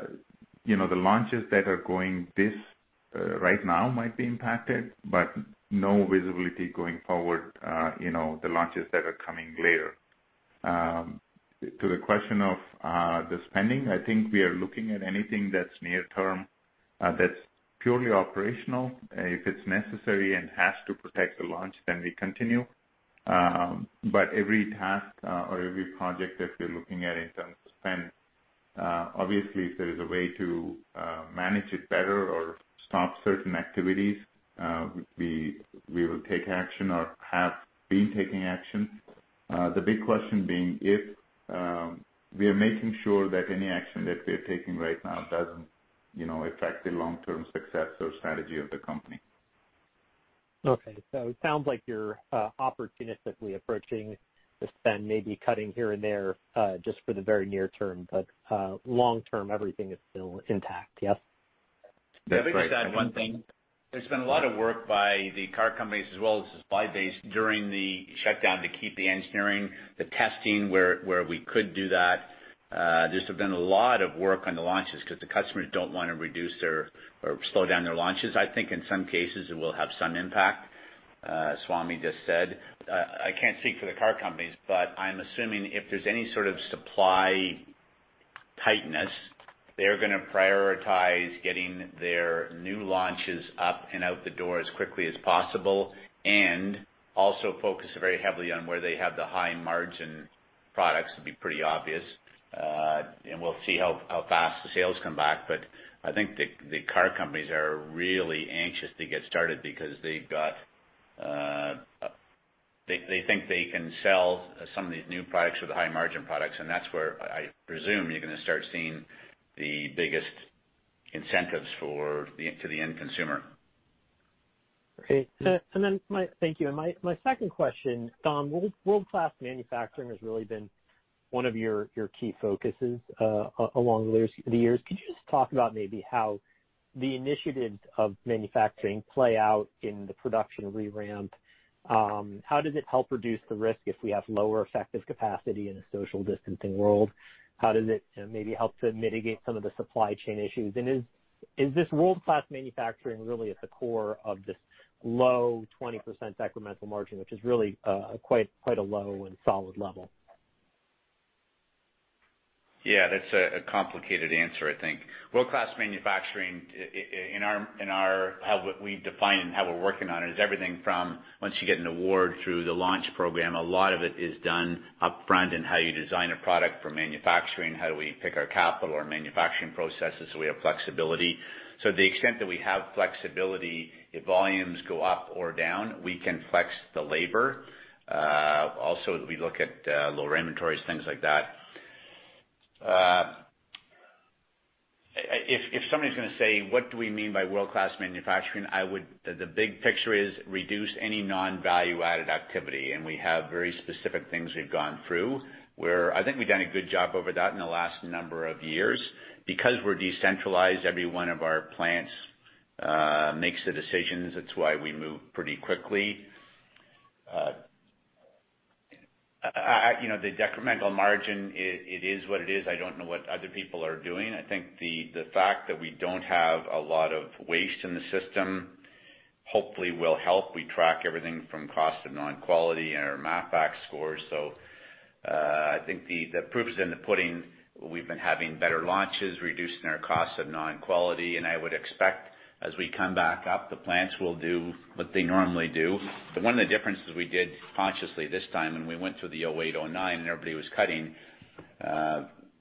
launches that are going this right now might be impacted, but no visibility going forward, the launches that are coming later. To the question of the spending, I think we are looking at anything that's near-term that's purely operational. If it's necessary and has to protect the launch, then we continue. Every task or every project that we're looking at in terms of spend, obviously, if there is a way to manage it better or stop certain activities, we will take action or have been taking action. The big question being if we are making sure that any action that we're taking right now doesn't affect the long-term success or strategy of the company. Okay. It sounds like you're opportunistically approaching the spend, maybe cutting here and there just for the very near term, but long-term, everything is still intact, yes? The big stuff, one thing. There's been a lot of work by the car companies as well as supply base during the shutdown to keep the engineering, the testing where we could do that. There's been a lot of work on the launches because the customers don't want to reduce or slow down their launches. I think in some cases, it will have some impact, Swami just said. I can't speak for the car companies, but I'm assuming if there's any sort of supply tightness, they're going to prioritize getting their new launches up and out the door as quickly as possible and also focus very heavily on where they have the high-margin products to be pretty obvious. We'll see how fast the sales come back, but I think the car companies are really anxious to get started because they think they can sell some of these new products or the high-margin products, and that's where I presume you're going to start seeing the biggest incentives to the end consumer. Okay. Thank you. My second question, Don, world-class manufacturing has really been one of your key focuses along the years. Could you just talk about maybe how the initiatives of manufacturing play out in the production reramp? How does it help reduce the risk if we have lower effective capacity in a social distancing world? How does it maybe help to mitigate some of the supply chain issues? Is this world-class manufacturing really at the core of this low 20% sacramental margin, which is really quite a low and solid level? Yeah. That's a complicated answer, I think. World-class manufacturing, in how we define and how we're working on it, is everything from once you get an award through the launch program. A lot of it is done upfront in how you design a product for manufacturing, how do we pick our capital or manufacturing processes so we have flexibility. To the extent that we have flexibility, if volumes go up or down, we can flex the labor. Also, we look at lower inventories, things like that. If somebody's going to say, "What do we mean by world-class manufacturing?" The big picture is reduce any non-value-added activity. We have very specific things we've gone through where I think we've done a good job over that in the last number of years. Because we're decentralized, every one of our plants makes the decisions. That's why we move pretty quickly. The detrimental margin, it is what it is. I don't know what other people are doing. I think the fact that we don't have a lot of waste in the system hopefully will help. We track everything from cost to non-quality and our MAPAC scores. I think the proof is in the pudding. We've been having better launches, reducing our cost of non-quality. I would expect as we come back up, the plants will do what they normally do. One of the differences we did consciously this time, when we went to the 2008, 2009, and everybody was cutting,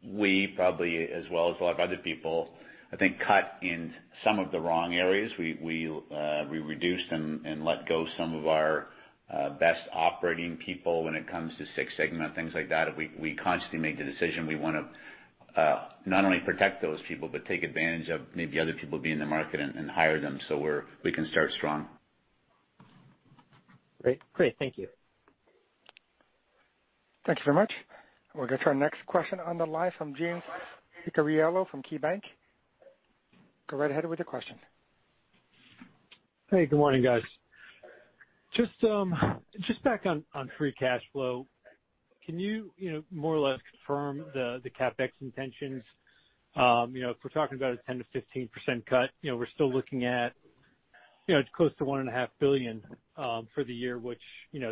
we probably, as well as a lot of other people, I think cut in some of the wrong areas. We reduced and let go some of our best operating people when it comes to six-segment, things like that. We consciously made the decision we want to not only protect those people, but take advantage of maybe other people being in the market and hire them so we can start strong. Great. Great. Thank you. Thank you very much. We'll get to our next question on the line from James Piccariello from KeyBanc. Go right ahead with your question. Hey, good morning, guys. Just back on free cash flow, can you more or less confirm the CapEx intentions? If we're talking about a 10-15% cut, we're still looking at close to $1.5 billion for the year, which,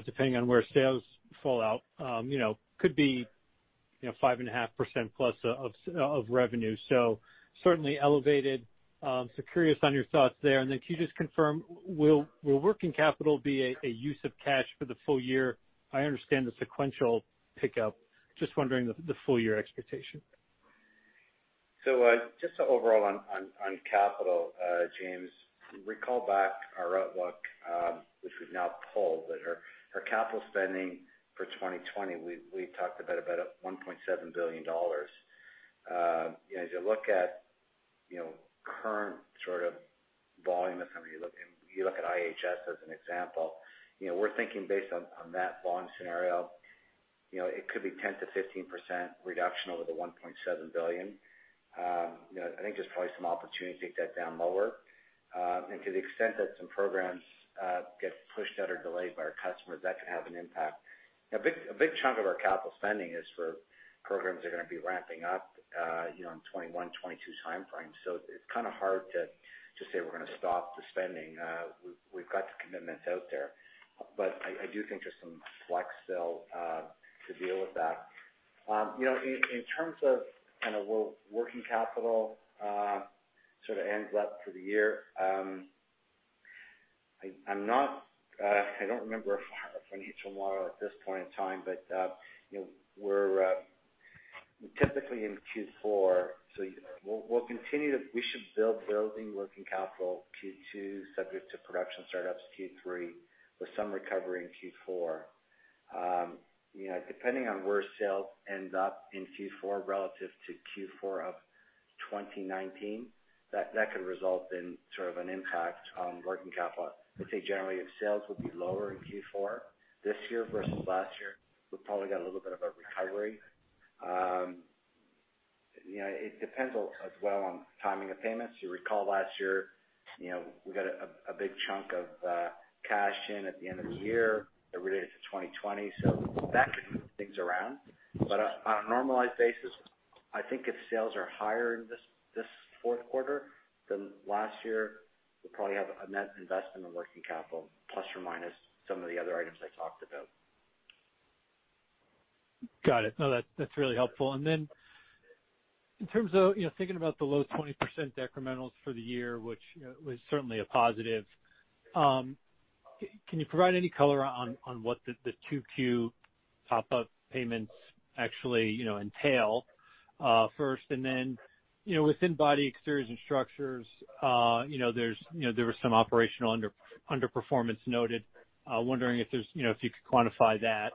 depending on where sales fall out, could be 5.5% plus of revenue. Certainly elevated. Curious on your thoughts there. Can you just confirm, will working capital be a use of cash for the full year? I understand the sequential pickup. Just wondering the full year expectation. Just overall on capital, James, we call back our outlook, which we've now pulled, that our capital spending for 2020, we talked a bit about $1.7 billion. As you look at current sort of volume of something, you look at IHS as an example, we're thinking based on that volume scenario, it could be 10-15% reduction over the $1.7 billion. I think there's probably some opportunity to take that down lower. To the extent that some programs get pushed out or delayed by our customers, that can have an impact. A big chunk of our capital spending is for programs that are going to be ramping up in 2021, 2022 timeframe. It is kind of hard to say we're going to stop the spending. We've got the commitments out there. I do think there's some flex still to deal with that. In terms of kind of working capital sort of ends up for the year, I don't remember our financial model at this point in time, but we're typically in Q4. We should build working capital in Q2, subject to production startups in Q3, with some recovery in Q4. Depending on where sales end up in Q4 relative to Q4 of 2019, that could result in sort of an impact on working capital. I'd say generally, if sales would be lower in Q4 this year versus last year, we've probably got a little bit of a recovery. It depends as well on timing of payments. You recall last year, we got a big chunk of cash in at the end of the year that related to 2020. That could move things around. On a normalized basis, I think if sales are higher in this fourth quarter than last year, we'll probably have a net investment in working capital, plus or minus some of the other items I talked about. Got it. No, that's really helpful. In terms of thinking about the low 20% decrementals for the year, which was certainly a positive, can you provide any color on what the Q2 top-up payments actually entail first? Within body, exteriors, and structures, there was some operational underperformance noted. Wondering if you could quantify that.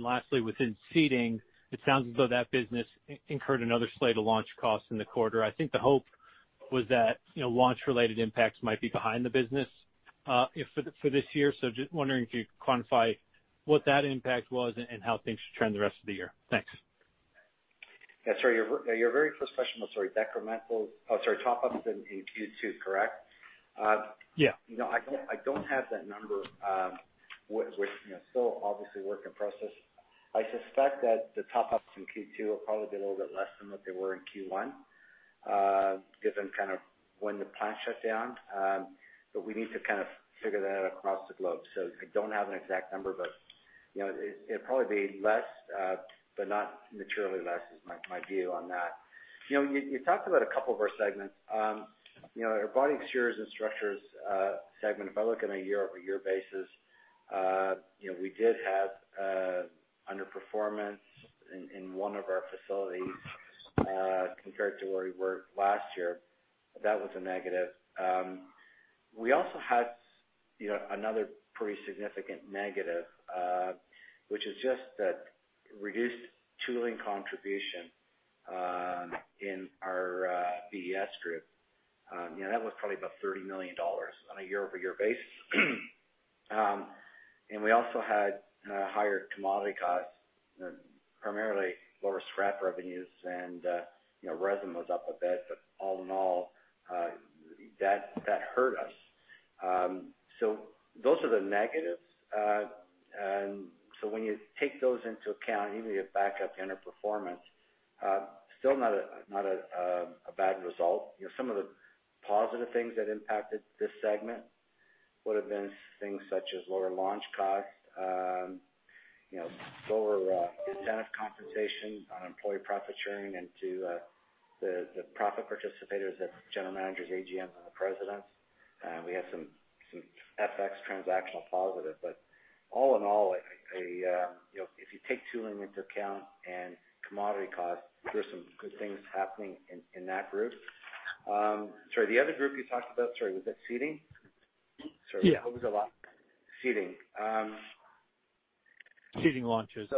Lastly, within seating, it sounds as though that business incurred another slate of launch costs in the quarter. I think the hope was that launch-related impacts might be behind the business for this year. Just wondering if you could quantify what that impact was and how things should trend the rest of the year. Thanks. Yeah. Sorry, your very first question was, sorry, decrementals—oh, sorry, top-ups in Q2, correct? Yeah. I don't have that number. We're still obviously working process. I suspect that the top-ups in Q2 will probably be a little bit less than what they were in Q1, given kind of when the plant shut down. We need to kind of figure that out across the globe. I don't have an exact number, but it'll probably be less, but not materially less is my view on that. You talked about a couple of our segments. Our body, exteriors, and structures segment, if I look at a year-over-year basis, we did have underperformance in one of our facilities compared to where we were last year. That was a negative. We also had another pretty significant negative, which is just that reduced tooling contribution in our BES group. That was probably about $30 million on a year-over-year basis. We also had higher commodity costs, primarily lower scrap revenues, and resin was up a bit. All in all, that hurt us. Those are the negatives. When you take those into account, even if you back up the underperformance, still not a bad result. Some of the positive things that impacted this segment would have been things such as lower launch costs, lower incentive compensation on employee profit sharing, and to the profit participators at general managers, AGMs, and the presidents. We had some FX transactional positive. All in all, if you take tooling into account and commodity costs, there were some good things happening in that group. Sorry, the other group you talked about, sorry, was it seating? Yeah. What was the last? Seating. Seating launches.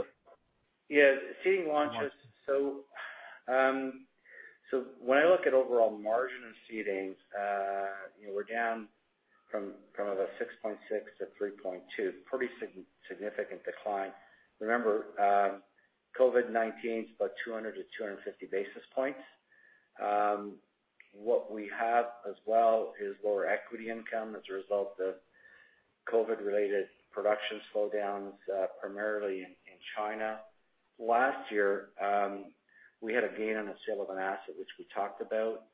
Yeah. Seating launches. When I look at overall margin and seating, we're down from about 6.6-3.2, pretty significant decline. Remember, COVID-19 is about 200-250 basis points. What we have as well is lower equity income as a result of COVID-related production slowdowns, primarily in China. Last year, we had a gain on the sale of an asset, which we talked about.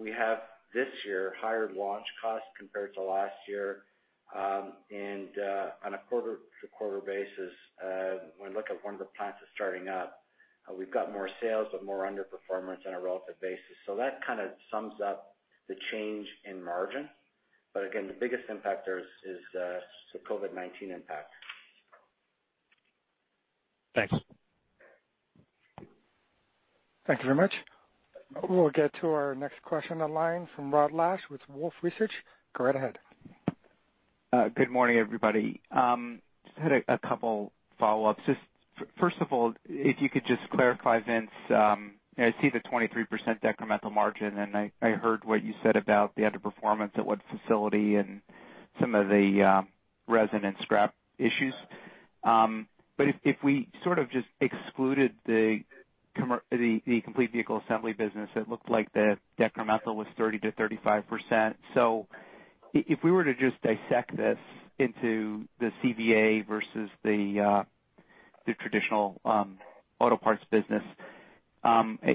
We have this year higher launch costs compared to last year. On a quarter-to-quarter basis, when we look at one of the plants that's starting up, we've got more sales, but more underperformance on a relative basis. That kind of sums up the change in margin. Again, the biggest impact there is the COVID-19 impact. Thanks. Thank you very much. We'll get to our next question online from Rod Lache with Wolf Research. Go right ahead. Good morning, everybody. Just had a couple of follow-ups. First of all, if you could just clarify, Vince, I see the 23% decremental margin, and I heard what you said about the underperformance at one facility and some of the resin and scrap issues. If we sort of just excluded the complete vehicle assembly business, it looked like the decremental was 30-35%. If we were to just dissect this into the CVA versus the traditional auto parts business,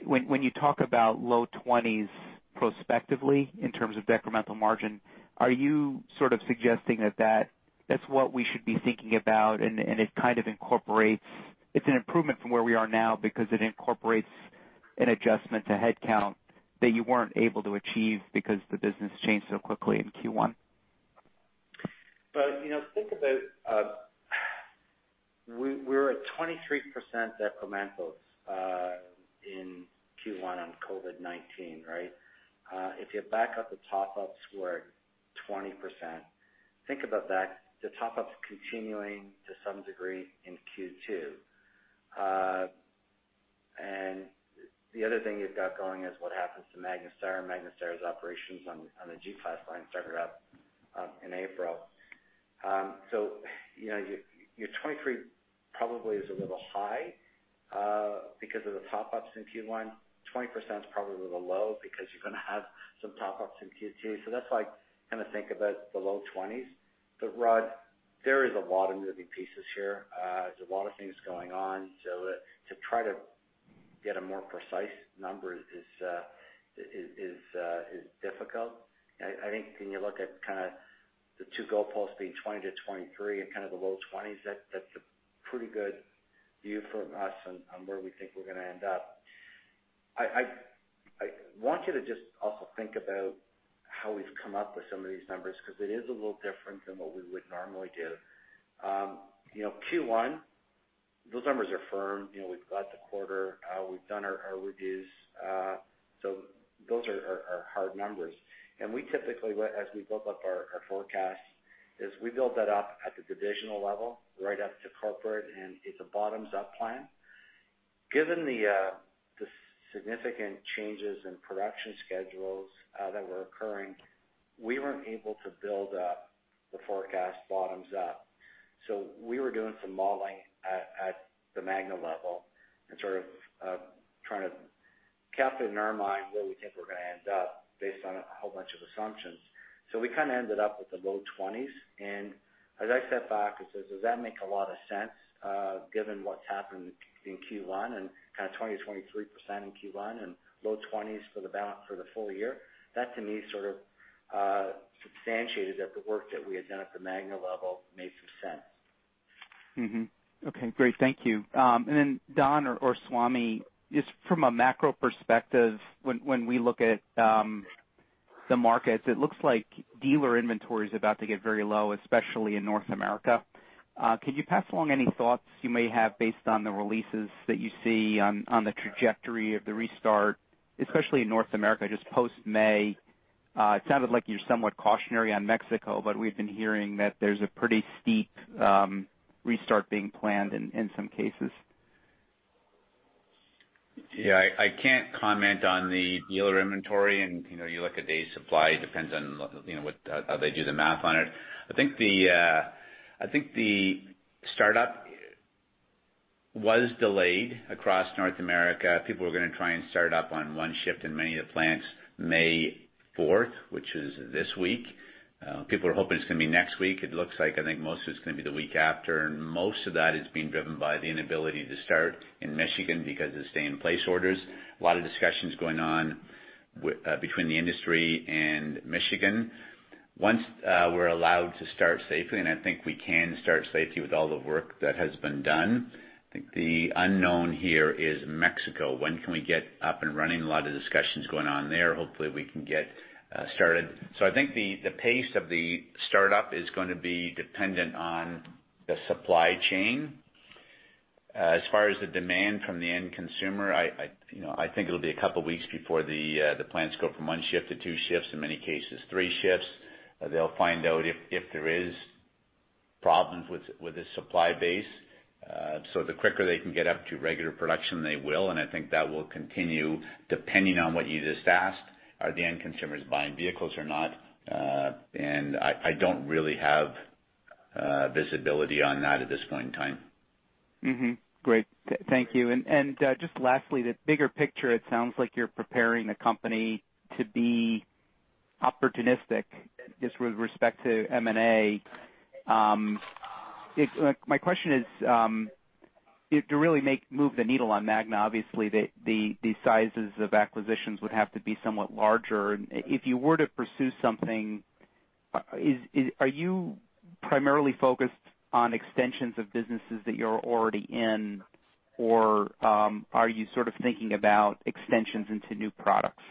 when you talk about low 20s prospectively in terms of decremental margin, are you sort of suggesting that that's what we should be thinking about? It kind of incorporates it's an improvement from where we are now because it incorporates an adjustment to headcount that you weren't able to achieve because the business changed so quickly in Q1? Think about we're at 23% decrementals in Q1 on COVID-19, right? If you back up, the top-ups were 20%, think about that. The top-ups continuing to some degree in Q2. The other thing you've got going is what happens to MagnaStar. MagnaStar's operations on the G-Class line started up in April. Your 23 probably is a little high because of the top-ups in Q1. 20% is probably a little low because you're going to have some top-ups in Q2. That is why I kind of think about the low 20s. Rod, there is a lot of moving pieces here. There's a lot of things going on. To try to get a more precise number is difficult. I think when you look at kind of the two goalposts being 20-23 and kind of the low 20s, that's a pretty good view for us on where we think we're going to end up. I want you to just also think about how we've come up with some of these numbers because it is a little different than what we would normally do. Q1, those numbers are firm. We've got the quarter. We've done our reviews. So those are hard numbers. We typically, as we build up our forecasts, build that up at the divisional level right up to corporate, and it's a bottoms-up plan. Given the significant changes in production schedules that were occurring, we weren't able to build up the forecast bottoms-up. We were doing some modeling at the Magna level and sort of trying to cap it in our mind where we think we're going to end up based on a whole bunch of assumptions. We kind of ended up with the low 20s. As I sat back and said, "Does that make a lot of sense given what's happened in Q1 and kind of 20%-23% in Q1 and low 20s for the full year?" That, to me, sort of substantiated that the work that we had done at the Magna level made some sense. Okay. Great. Thank you. Then Don or Swami, just from a macro perspective, when we look at the markets, it looks like dealer inventory is about to get very low, especially in North America. Can you pass along any thoughts you may have based on the releases that you see on the trajectory of the restart, especially in North America, just post-May? It sounded like you're somewhat cautionary on Mexico, but we've been hearing that there's a pretty steep restart being planned in some cases. Yeah. I can't comment on the dealer inventory. You look at day supply. It depends on how they do the math on it. I think the startup was delayed across North America. People were going to try and start up on one shift in many of the plants May 4, which is this week. People are hoping it's going to be next week. It looks like, I think, most of it's going to be the week after. Most of that is being driven by the inability to start in Michigan because of stay-in-place orders. A lot of discussions going on between the industry and Michigan. Once we're allowed to start safely, and I think we can start safely with all the work that has been done. I think the unknown here is Mexico. When can we get up and running? A lot of discussions going on there. Hopefully, we can get started. I think the pace of the startup is going to be dependent on the supply chain. As far as the demand from the end consumer, I think it'll be a couple of weeks before the plants go from one shift to two shifts, in many cases three shifts. They'll find out if there are problems with the supply base. The quicker they can get up to regular production, they will. I think that will continue depending on what you just asked. Are the end consumers buying vehicles or not? I don't really have visibility on that at this point in time. Great. Thank you. Just lastly, the bigger picture, it sounds like you're preparing the company to be opportunistic just with respect to M&A. My question is, to really move the needle on Magna, obviously, the sizes of acquisitions would have to be somewhat larger. If you were to pursue something, are you primarily focused on extensions of businesses that you're already in, or are you sort of thinking about extensions into new products?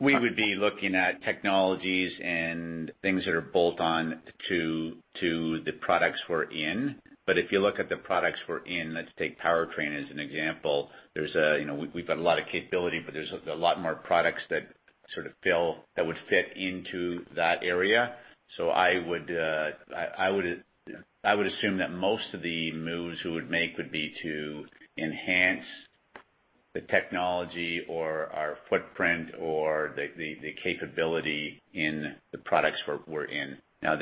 We would be looking at technologies and things that are bolt-on to the products we're in. If you look at the products we're in, let's take Powertrain as an example. We've got a lot of capability, but there's a lot more products that sort of feel that would fit into that area. I would assume that most of the moves we would make would be to enhance the technology or our footprint or the capability in the products we're in. Now,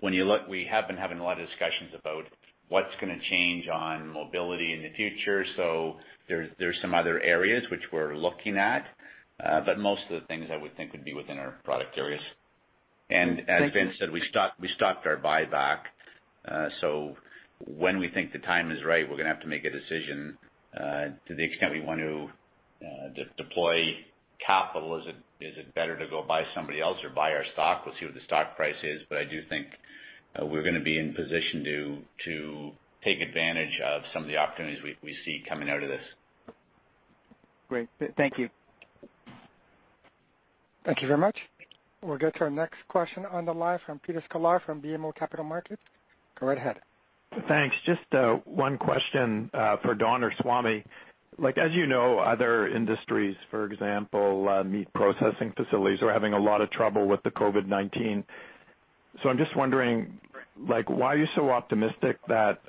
when you look, we have been having a lot of discussions about what's going to change on mobility in the future. There are some other areas which we're looking at. Most of the things I would think would be within our product areas. As Vince said, we stopped our buyback. When we think the time is right, we're going to have to make a decision to the extent we want to deploy capital. Is it better to go buy somebody else or buy our stock? We'll see what the stock price is. I do think we're going to be in position to take advantage of some of the opportunities we see coming out of this. Great. Thank you. Thank you very much. We'll get to our next question on the line from Peter Scollar from BMO Capital Markets. Go right ahead. Thanks. Just one question for Don or Swami. As you know, other industries, for example, meat processing facilities, are having a lot of trouble with the COVID-19. I am just wondering, why are you so optimistic that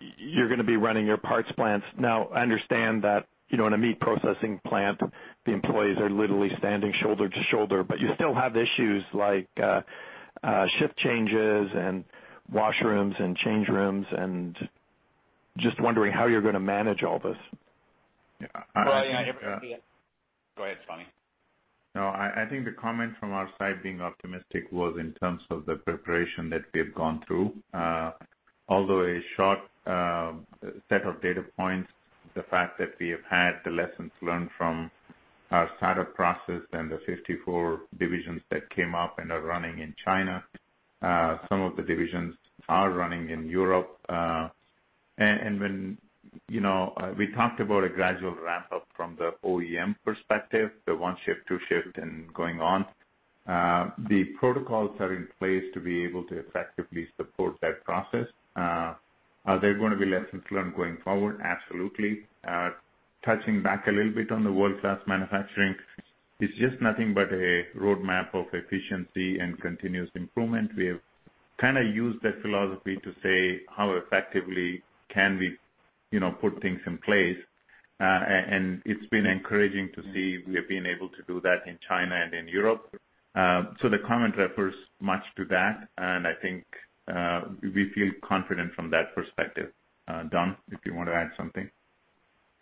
you are going to be running your parts plants? I understand that in a meat processing plant, the employees are literally standing shoulder to shoulder. You still have issues like shift changes and washrooms and change rooms. I am just wondering how you are going to manage all this. Go ahead, Swami. No, I think the comment from our side being optimistic was in terms of the preparation that we have gone through. Although a short set of data points, the fact that we have had the lessons learned from our startup process and the 54 divisions that came up and are running in China, some of the divisions are running in Europe. When we talked about a gradual ramp-up from the OEM perspective, the one shift, two shift, and going on, the protocols are in place to be able to effectively support that process. Are there going to be lessons learned going forward? Absolutely. Touching back a little bit on the world-class manufacturing, it is just nothing but a roadmap of efficiency and continuous improvement. We have kind of used that philosophy to say, "How effectively can we put things in place?" It has been encouraging to see we have been able to do that in China and in Europe. The comment refers much to that. I think we feel confident from that perspective. Don, if you want to add something.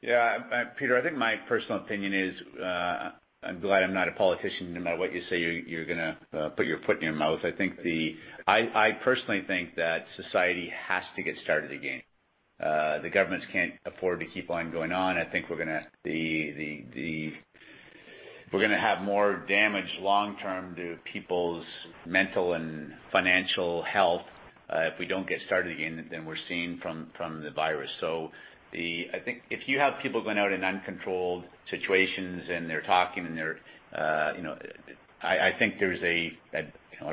Yeah. Peter, I think my personal opinion is I'm glad I'm not a politician. No matter what you say, you're going to put your foot in your mouth. I personally think that society has to get started again. The governments can't afford to keep on going on. I think we're going to have more damage long-term to people's mental and financial health if we don't get started again than we're seeing from the virus. If you have people going out in uncontrolled situations and they're talking and they're, I think there's a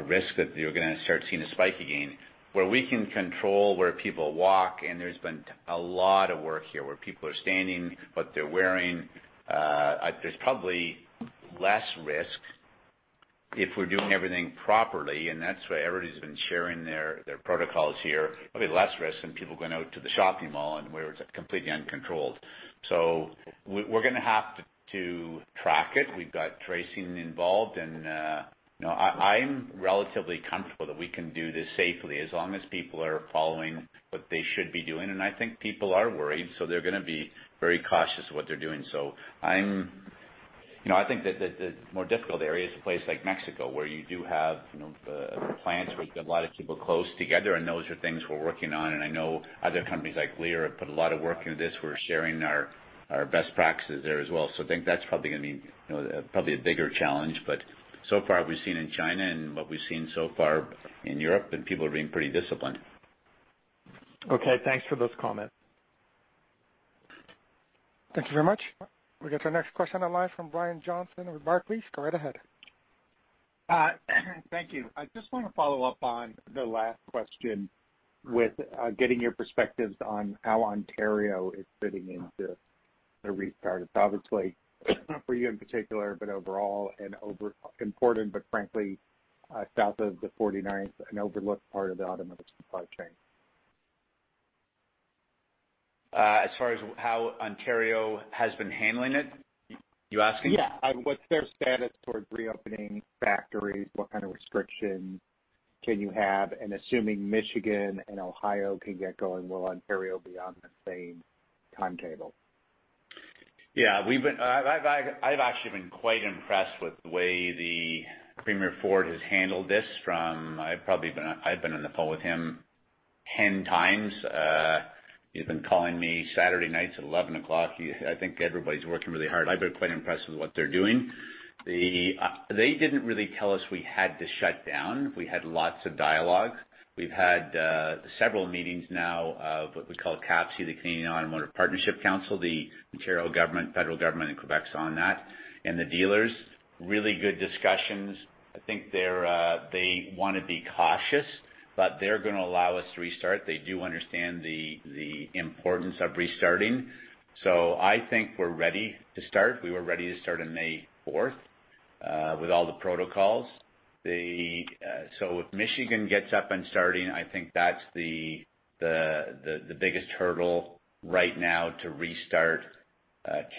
risk that you're going to start seeing a spike again. Where we can control where people walk, and there's been a lot of work here where people are standing, what they're wearing, there's probably less risk if we're doing everything properly. That's why everybody's been sharing their protocols here. Probably less risk than people going out to the shopping mall where it's completely uncontrolled. We are going to have to track it. We've got tracing involved. I'm relatively comfortable that we can do this safely as long as people are following what they should be doing. I think people are worried, so they are going to be very cautious of what they're doing. I think that the more difficult area is a place like Mexico where you do have plants where you've got a lot of people close together. Those are things we are working on. I know other companies like Lear have put a lot of work into this. We are sharing our best practices there as well. I think that's probably going to be a bigger challenge. So far, we've seen in China and what we've seen so far in Europe, and people are being pretty disciplined. Okay. Thanks for those comments. Thank you very much. We'll get to our next question on the line from Brian Johnson with Barclays. Go right ahead. Thank you. I just want to follow up on the last question with getting your perspectives on how Ontario is fitting into the restart. It is obviously for you in particular, but overall, an important, but frankly, south of the 49th, an overlooked part of the automotive supply chain. As far as how Ontario has been handling it, you're asking? Yeah. What's their status towards reopening factories? What kind of restrictions can you have? Assuming Michigan and Ohio can get going, will Ontario be on the same timetable? Yeah. I've actually been quite impressed with the way Premier Ford has handled this from I've been on the phone with him 10 times. He's been calling me Saturday nights at 11:00 P.M. I think everybody's working really hard. I've been quite impressed with what they're doing. They didn't really tell us we had to shut down. We had lots of dialogue. We've had several meetings now of what we call CAPC, the Canadian Automotive Partnership Council, the Ontario government, federal government, and Quebec's on that, and the dealers. Really good discussions. I think they want to be cautious, but they're going to allow us to restart. They do understand the importance of restarting. I think we're ready to start. We were ready to start on May 4th with all the protocols. If Michigan gets up and starting, I think that's the biggest hurdle right now to restart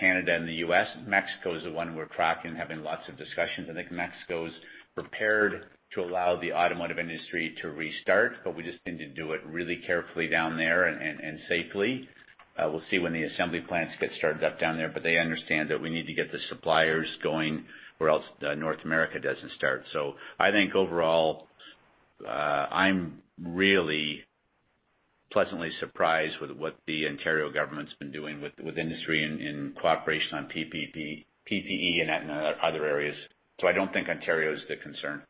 Canada and the U.S. Mexico is the one we're tracking and having lots of discussions. I think Mexico's prepared to allow the automotive industry to restart, but we just need to do it really carefully down there and safely. We'll see when the assembly plants get started up down there. They understand that we need to get the suppliers going or else North America doesn't start. I think overall, I'm really pleasantly surprised with what the Ontario government's been doing with industry in cooperation on PPE and other areas. I don't think Ontario is the concern.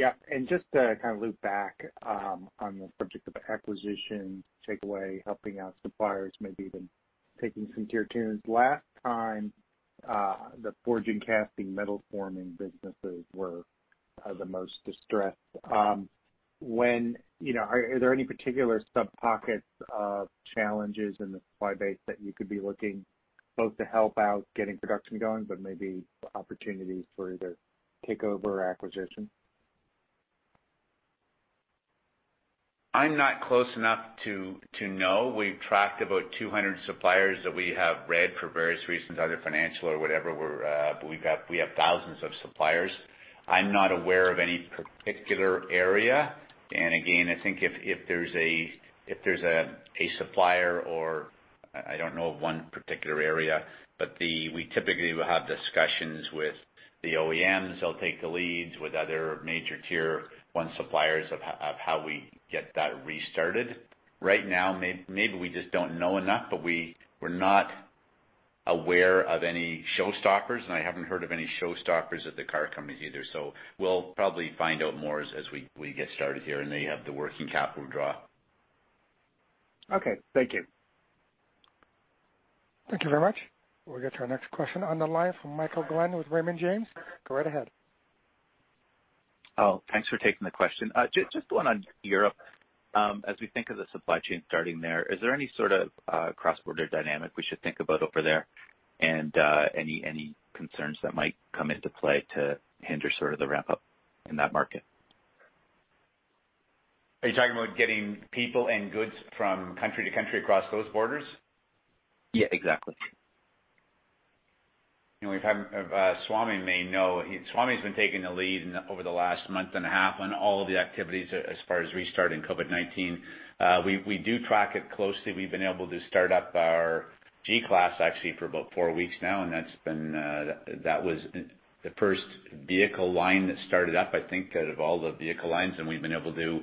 Yeah. Just to kind of loop back on the subject of acquisition, takeaway, helping out suppliers, maybe even taking some gear tunes. Last time, the forging, casting, metal forming businesses were the most distressed. Are there any particular sub-pockets of challenges in the supply base that you could be looking both to help out getting production going, but maybe opportunities for either takeover or acquisition? I'm not close enough to know. We've tracked about 200 suppliers that we have read for various reasons, either financial or whatever. We have thousands of suppliers. I'm not aware of any particular area. I think if there's a supplier or I don't know of one particular area, we typically will have discussions with the OEMs. They'll take the leads with other major tier one suppliers of how we get that restarted. Right now, maybe we just don't know enough, but we're not aware of any showstoppers. I haven't heard of any showstoppers at the car companies either. We'll probably find out more as we get started here and they have the working capital draw. Okay. Thank you. Thank you very much. We'll get to our next question on the line from Michael Glen with Raymond James. Go right ahead. Oh, thanks for taking the question. Just going on Europe, as we think of the supply chain starting there, is there any sort of cross-border dynamic we should think about over there and any concerns that might come into play to hinder sort of the ramp-up in that market? Are you talking about getting people and goods from country to country across those borders? Yeah, exactly. Swami may know. Swami has been taking the lead over the last month and a half on all the activities as far as restarting COVID-19. We do track it closely. We have been able to start up our G-Class actually for about four weeks now. That was the first vehicle line that started up, I think, out of all the vehicle lines. We have been able to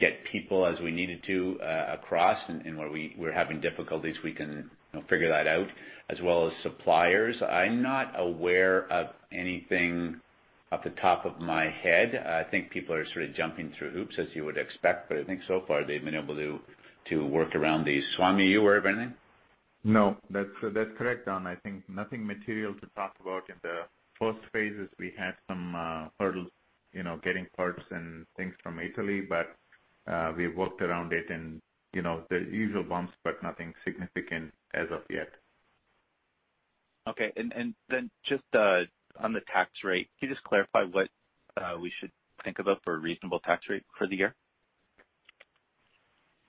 get people as we needed to across. Where we are having difficulties, we can figure that out, as well as suppliers. I am not aware of anything off the top of my head. I think people are sort of jumping through hoops, as you would expect. I think so far, they have been able to work around these. Swami, you were of anything? No, that's correct, Don. I think nothing material to talk about in the first phases. We had some hurdles getting parts and things from Italy, but we've worked around it in the usual bumps, but nothing significant as of yet. Okay. Can you just clarify what we should think about for a reasonable tax rate for the year?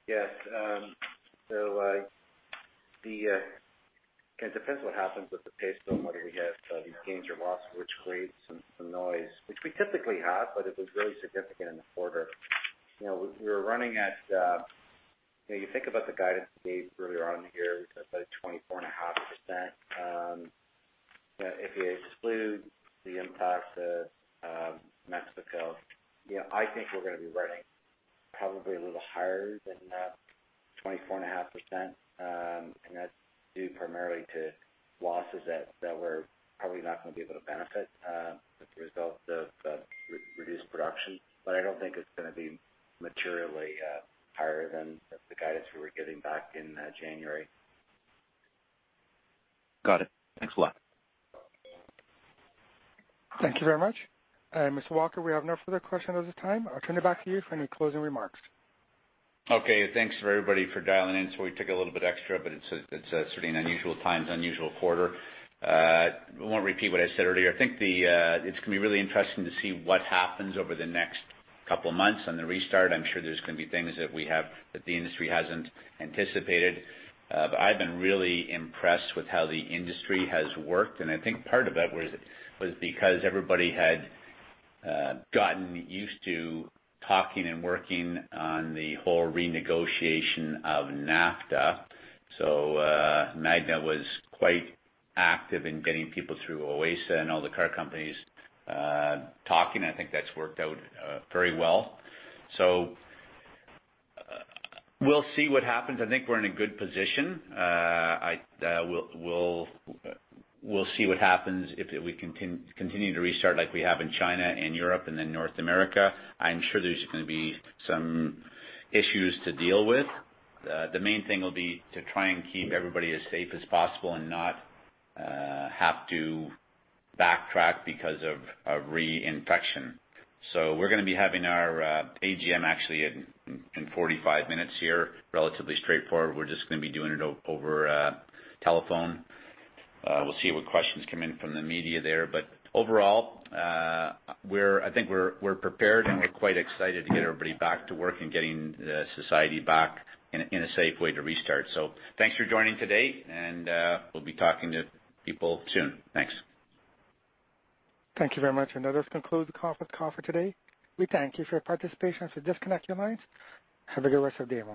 Yes. It depends what happens with the paystorm, whether we have these gains or losses, which creates some noise, which we typically have, but it was really significant in the quarter. We were running at, you think about the guidance we gave earlier on here. We talked about 24.5%. If you exclude the impact of Mexico, I think we're going to be running probably a little higher than 24.5%. That is due primarily to losses that we're probably not going to be able to benefit as a result of reduced production. I do not think it is going to be materially higher than the guidance we were giving back in January. Got it. Thanks a lot. Thank you very much. Mr. Walker, we have no further questions at this time. I'll turn it back to you for any closing remarks. Okay. Thanks for everybody for dialing in. Sorry it took a little bit extra, but it's certainly unusual times, unusual quarter. I won't repeat what I said earlier. I think it's going to be really interesting to see what happens over the next couple of months on the restart. I'm sure there's going to be things that the industry hasn't anticipated. I have been really impressed with how the industry has worked. I think part of that was because everybody had gotten used to talking and working on the whole renegotiation of NAFTA. Magna was quite active in getting people through OASA and all the car companies talking. I think that's worked out very well. We will see what happens. I think we're in a good position. We will see what happens if we continue to restart like we have in China and Europe and then North America. I'm sure there's going to be some issues to deal with. The main thing will be to try and keep everybody as safe as possible and not have to backtrack because of reinfection. We are going to be having our AGM actually in 45 minutes here, relatively straightforward. We're just going to be doing it over telephone. We'll see what questions come in from the media there. Overall, I think we're prepared and we're quite excited to get everybody back to work and getting society back in a safe way to restart. Thanks for joining today. We'll be talking to people soon. Thanks. Thank you very much. That does conclude the conference call for today. We thank you for your participation. Please disconnect your lines. Have a good rest of your day.